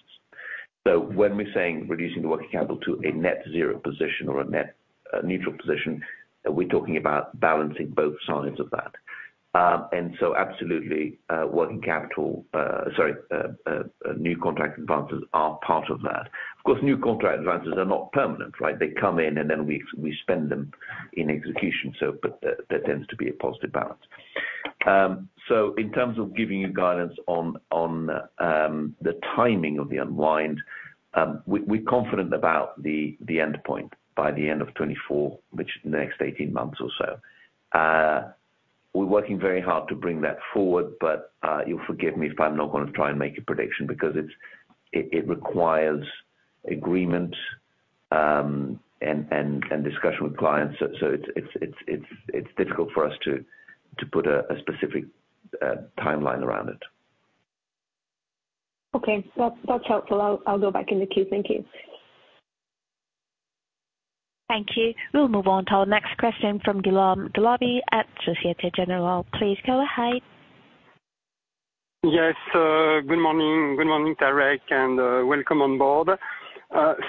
B: When we're saying reducing the working capital to a net zero position or a net neutral position, we're talking about balancing both sides of that. Absolutely, working capital, new contract advances are part of that. Of course, new contract advances are not permanent, right? They come in, and then we spend them in execution. But there tends to be a positive balance. In terms of giving you guidance on the timing of the unwind, we're confident about the endpoint by the end of 2024, which next 18 months or so. We're working very hard to bring that forward, but you'll forgive me if I'm not gonna try and make a prediction because it requires agreement and discussion with clients. It's difficult for us to put a specific timeline around it.
H: Okay. That's helpful. I'll go back in the queue. Thank you.
C: Thank you. We'll move on to our next question from Guillaume Dubrulle at Societe Generale. Please go ahead.
I: Yes. Good morning. Good morning, Tareq, and welcome on board.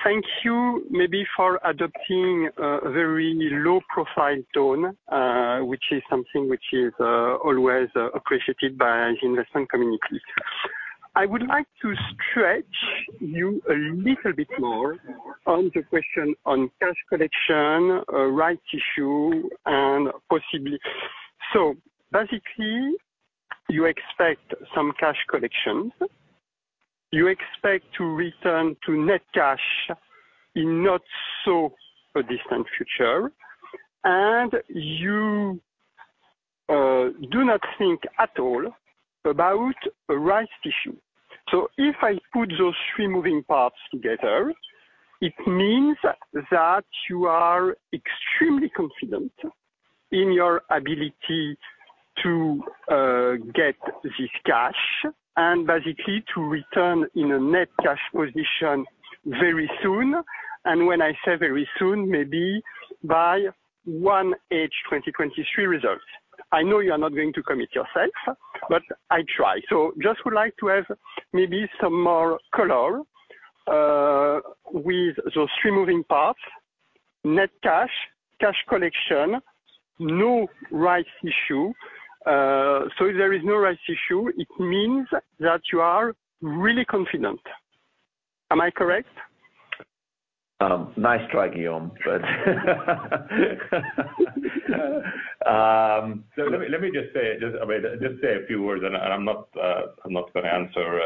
I: Thank you maybe for adopting a very low profile tone, which is something which is always appreciated by the investment community. I would like to stretch you a little bit more on the question on cash collection, rights issue and possibly... Basically, you expect some cash collections. You expect to return to net cash in not so a distant future. You do not think at all about a rights issue. If I put those three moving parts together, it means that you are extremely confident in your ability to get this cash and basically to return in a net cash position very soon. When I say very soon, maybe by 1H 2023 results. I know you're not going to commit yourself, but I try. Just would like to have maybe some more color with those three moving parts, net cash collection, no rights issue. If there is no rights issue, it means that you are really confident. Am I correct?
B: Nice try, Guillaume.
A: Let me just say, I mean, just say a few words. I'm not gonna answer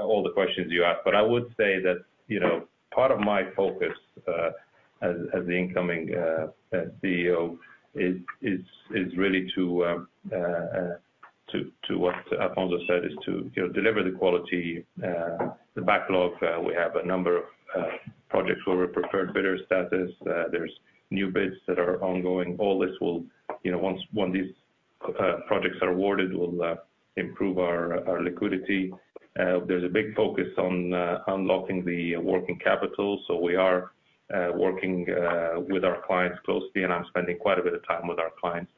A: all the questions you ask. I would say that, you know, part of my focus as the incoming CEO is really to what Afonso said, is to, you know, deliver the quality, the backlog. We have a number of projects where we're preferred bidder status. There's new bids that are ongoing. All this will, you know, once one of these projects are awarded, will improve our liquidity. There's a big focus on unlocking the working capital. We are working with our clients closely, and I'm spending quite a bit of time with our clients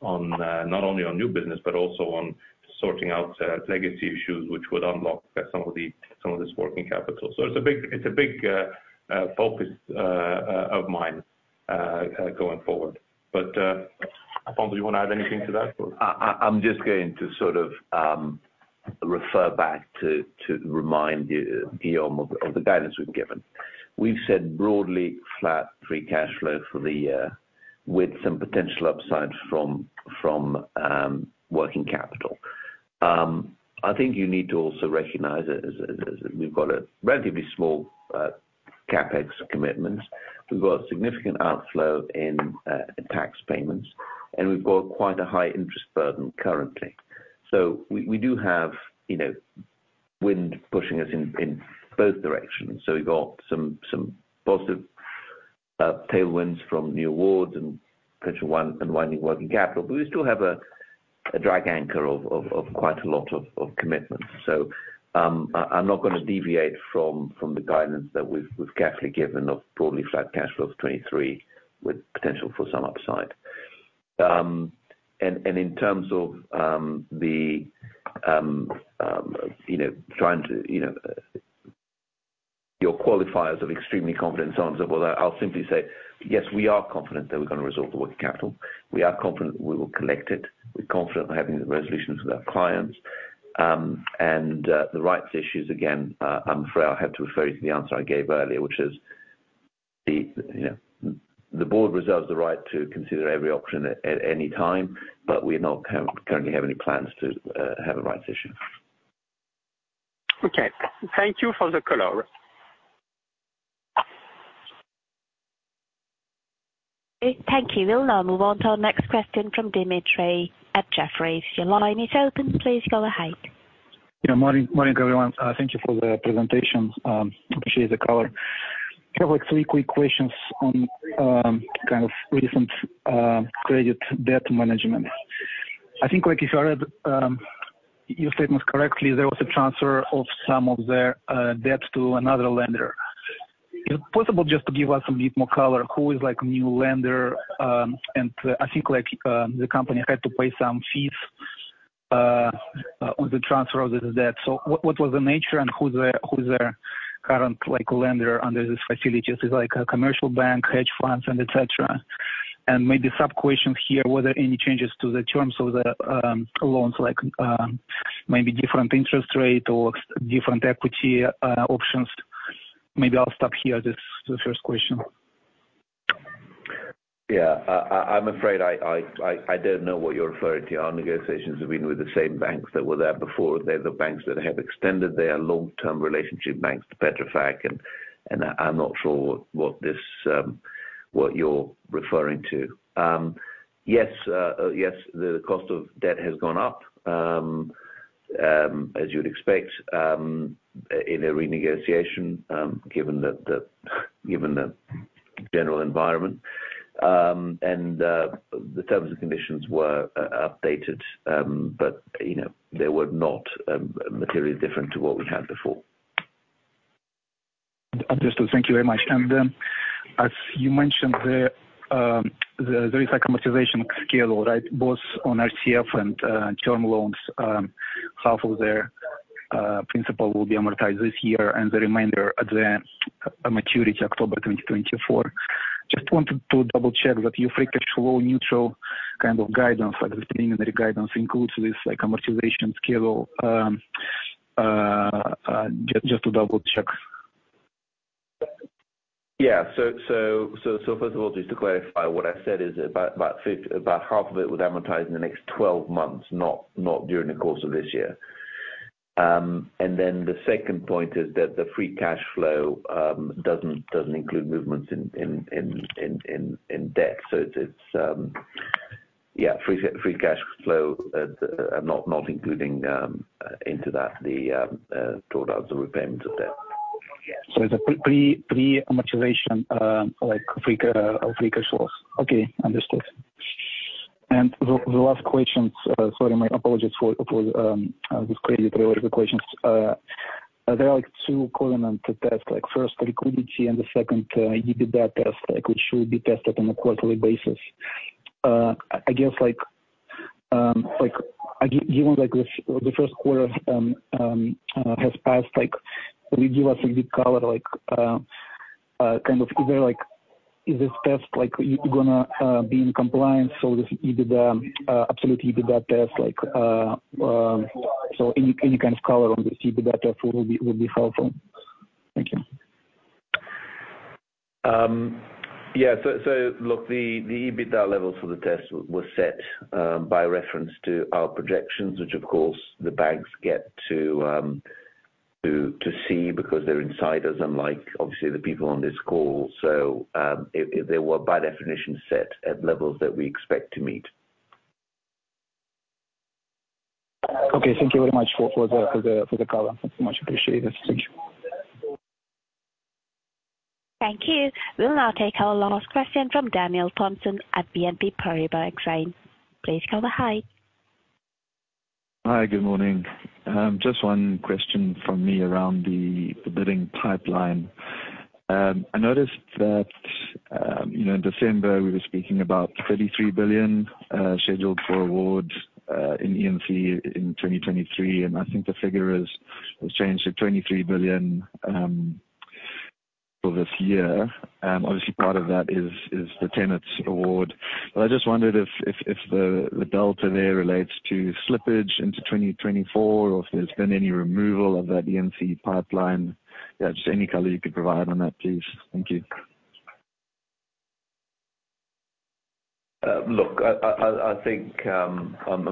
A: on not only on new business, but also on sorting out legacy issues, which would unlock some of this working capital. It's a big focus of mine going forward. Alfonso, you wanna add anything to that or?
B: I'm just going to sort of refer back to remind you, Guillaume, of the guidance we've given. We've said broadly flat free cash flow for the year with some potential upside from working capital. I think you need to also recognize as we've got a relatively small CapEx commitment. We've got significant outflow in tax payments, and we've got quite a high interest burden currently. We do have, you know, wind pushing us in both directions. We've got some positive tailwinds from the awards and potential unwinding working capital. We still have a drag anchor of quite a lot of commitments. I'm not gonna deviate from the guidance that we've carefully given of broadly flat cash flow of 2023 with potential for some upside. In terms of, you know, trying to, you know, your qualifiers of extremely confident in terms of, well, I'll simply say, yes, we are confident that we're gonna resolve the working capital. We are confident we will collect it. We're confident we're having the resolutions with our clients. The rights issues, again, I'm afraid I have to refer you to the answer I gave earlier, which is the, you know, the board reserves the right to consider every option at any time, but we're not currently have any plans to have a rights issue.
I: Okay. Thank you for the color.
C: Thank you. We'll now move on to our next question from Dmitry at Jefferies. Your line is open. Please go ahead.
J: Yeah. Morning, morning, everyone. Thank you for the presentation. Appreciate the color. I have like three quick questions on kind of recent credit debt management. I think, like, if I read your statements correctly, there was a transfer of some of their debt to another lender. Is it possible just to give us a bit more color, who is like new lender, and I think like, the company had to pay some fees? On the transfer of the debt. What was the nature and who is their current, like, lender under these facilities? Is it, like, a commercial bank, hedge funds and et cetera? Maybe sub-question here, were there any changes to the terms of the loans? Like, maybe different interest rate or different equity options? Maybe I'll stop here, this, the first question.
B: Yeah. I'm afraid I don't know what you're referring to. Our negotiations have been with the same banks that were there before. They're the banks that have extended their long-term relationship banks to Petrofac, and I'm not sure what this you're referring to. Yes, yes, the cost of debt has gone up as you'd expect in a renegotiation given the general environment. The terms and conditions were updated, but, you know, they were not materially different to what we had before.
J: Understood. Thank you very much. As you mentioned there is like amortization schedule, right? Both on RCF and term loans. Half of their principal will be amortized this year and the remainder at the maturity October 2024. Just wanted to double check that your free cash flow neutral kind of guidance, like the preliminary guidance includes this, like, amortization schedule. Just to double check.
B: First of all, just to clarify, what I said is about half of it would amortize in the next 12 months, not during the course of this year. Then the second point is that the free cash flow doesn't include movements in debt. It's free cash flow not including into that the total repayments of debt.
J: It's a pre-pre-pre-amortization, like, free cash flows. Okay, understood. The last question. Sorry, my apologies for, I was crazy with the questions. There are, like, two components to test, like, first liquidity and the second EBITDA test, like, which should be tested on a quarterly basis. I guess, like, given, like, the first quarter has passed, like, will you give us a good color, like, kind of is there, like, is this test, like, gonna be in compliance so this EBITDA absolute EBITDA test, like? Any kind of color on this EBITDA test will be helpful. Thank you.
B: Yeah. Look, the EBITDA levels for the test was set by reference to our projections, which, of course, the banks get to see because they're insiders, unlike, obviously, the people on this call. They were by definition set at levels that we expect to meet.
J: Okay. Thank you very much for the color. Much appreciated. Thank you.
C: Thank you. We'll now take our last question from Daniel Thomson at BNP Paribas Exane. Please come ahead.
K: Hi. Good morning. Just one question from me around the bidding pipeline. I noticed that, you know, in December we were speaking about $33 billion scheduled for awards in E&C in 2023, and I think the figure has changed to $23 billion for this year. Obviously part of that is the TenneT award. I just wondered if the delta there relates to slippage into 2024 or if there's been any removal of that E&C pipeline. Yeah, just any color you could provide on that, please. Thank you.
B: Look, I think, I'm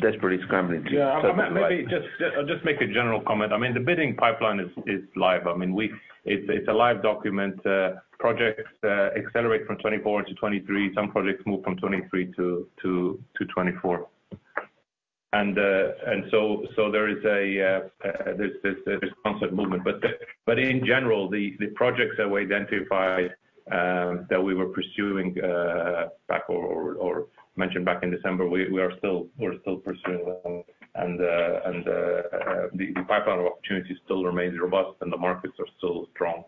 B: desperately scrambling to.
A: Yeah. Maybe just I'll just make a general comment. I mean, the bidding pipeline is live. I mean, It's a live document. Projects accelerate from 2024 to 2023. Some projects move from 2023 to 2024. There's constant movement. In general, the projects that we identified that we were pursuing back or mentioned back in December, we're still pursuing them. The pipeline of opportunities still remains robust and the markets are still strong.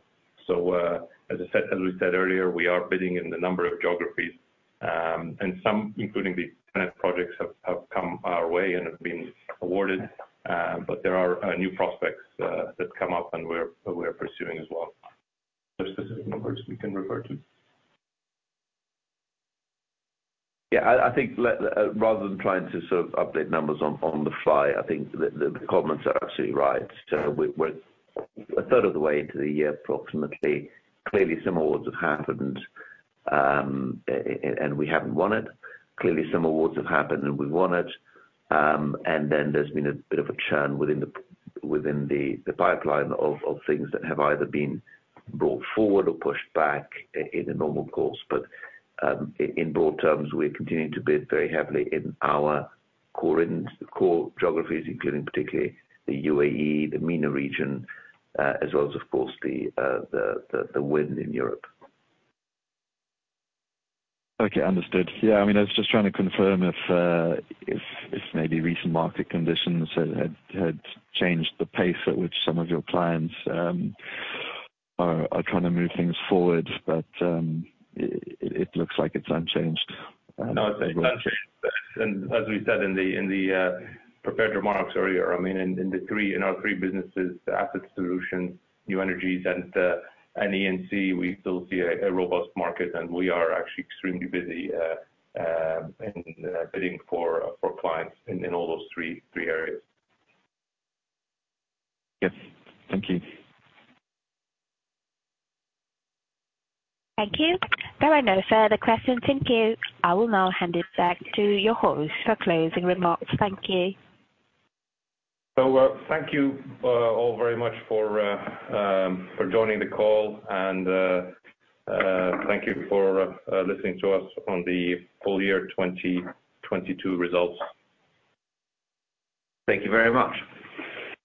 A: As I said, as we said earlier, we are bidding in a number of geographies. Some, including the current projects have come our way and have been awarded. There are new prospects that's come up and we're pursuing as well.
K: Are there specific numbers we can refer to?
B: Yeah. I think rather than trying to sort of update numbers on the fly, I think the comments are absolutely right. We're a third of the way into the year, approximately. Clearly some awards have happened and we haven't won it. Clearly some awards have happened and we've won it. There's been a bit of a churn within the pipeline of things that have either been brought forward or pushed back in the normal course. In broad terms, we're continuing to bid very heavily in our core and core geographies, including particularly the UAE, the MENA region, as well as of course the wind in Europe.
K: Okay, understood. Yeah, I mean, I was just trying to confirm if maybe recent market conditions had changed the pace at which some of your clients are trying to move things forward. It looks like it's unchanged.
A: No, it's unchanged. As we said in the, in the prepared remarks earlier, I mean, in the three, in our three businesses, the Asset Solutions, New Energies and E&C, we still see a robust market and we are actually extremely busy in bidding for clients in all those three areas.
K: Yes. Thank you.
C: Thank you. There are no further questions in queue. I will now hand it back to your host for closing remarks. Thank you.
A: Thank you all very much for joining the call, and thank you for listening to us on the full year 2022 results.
B: Thank you very much.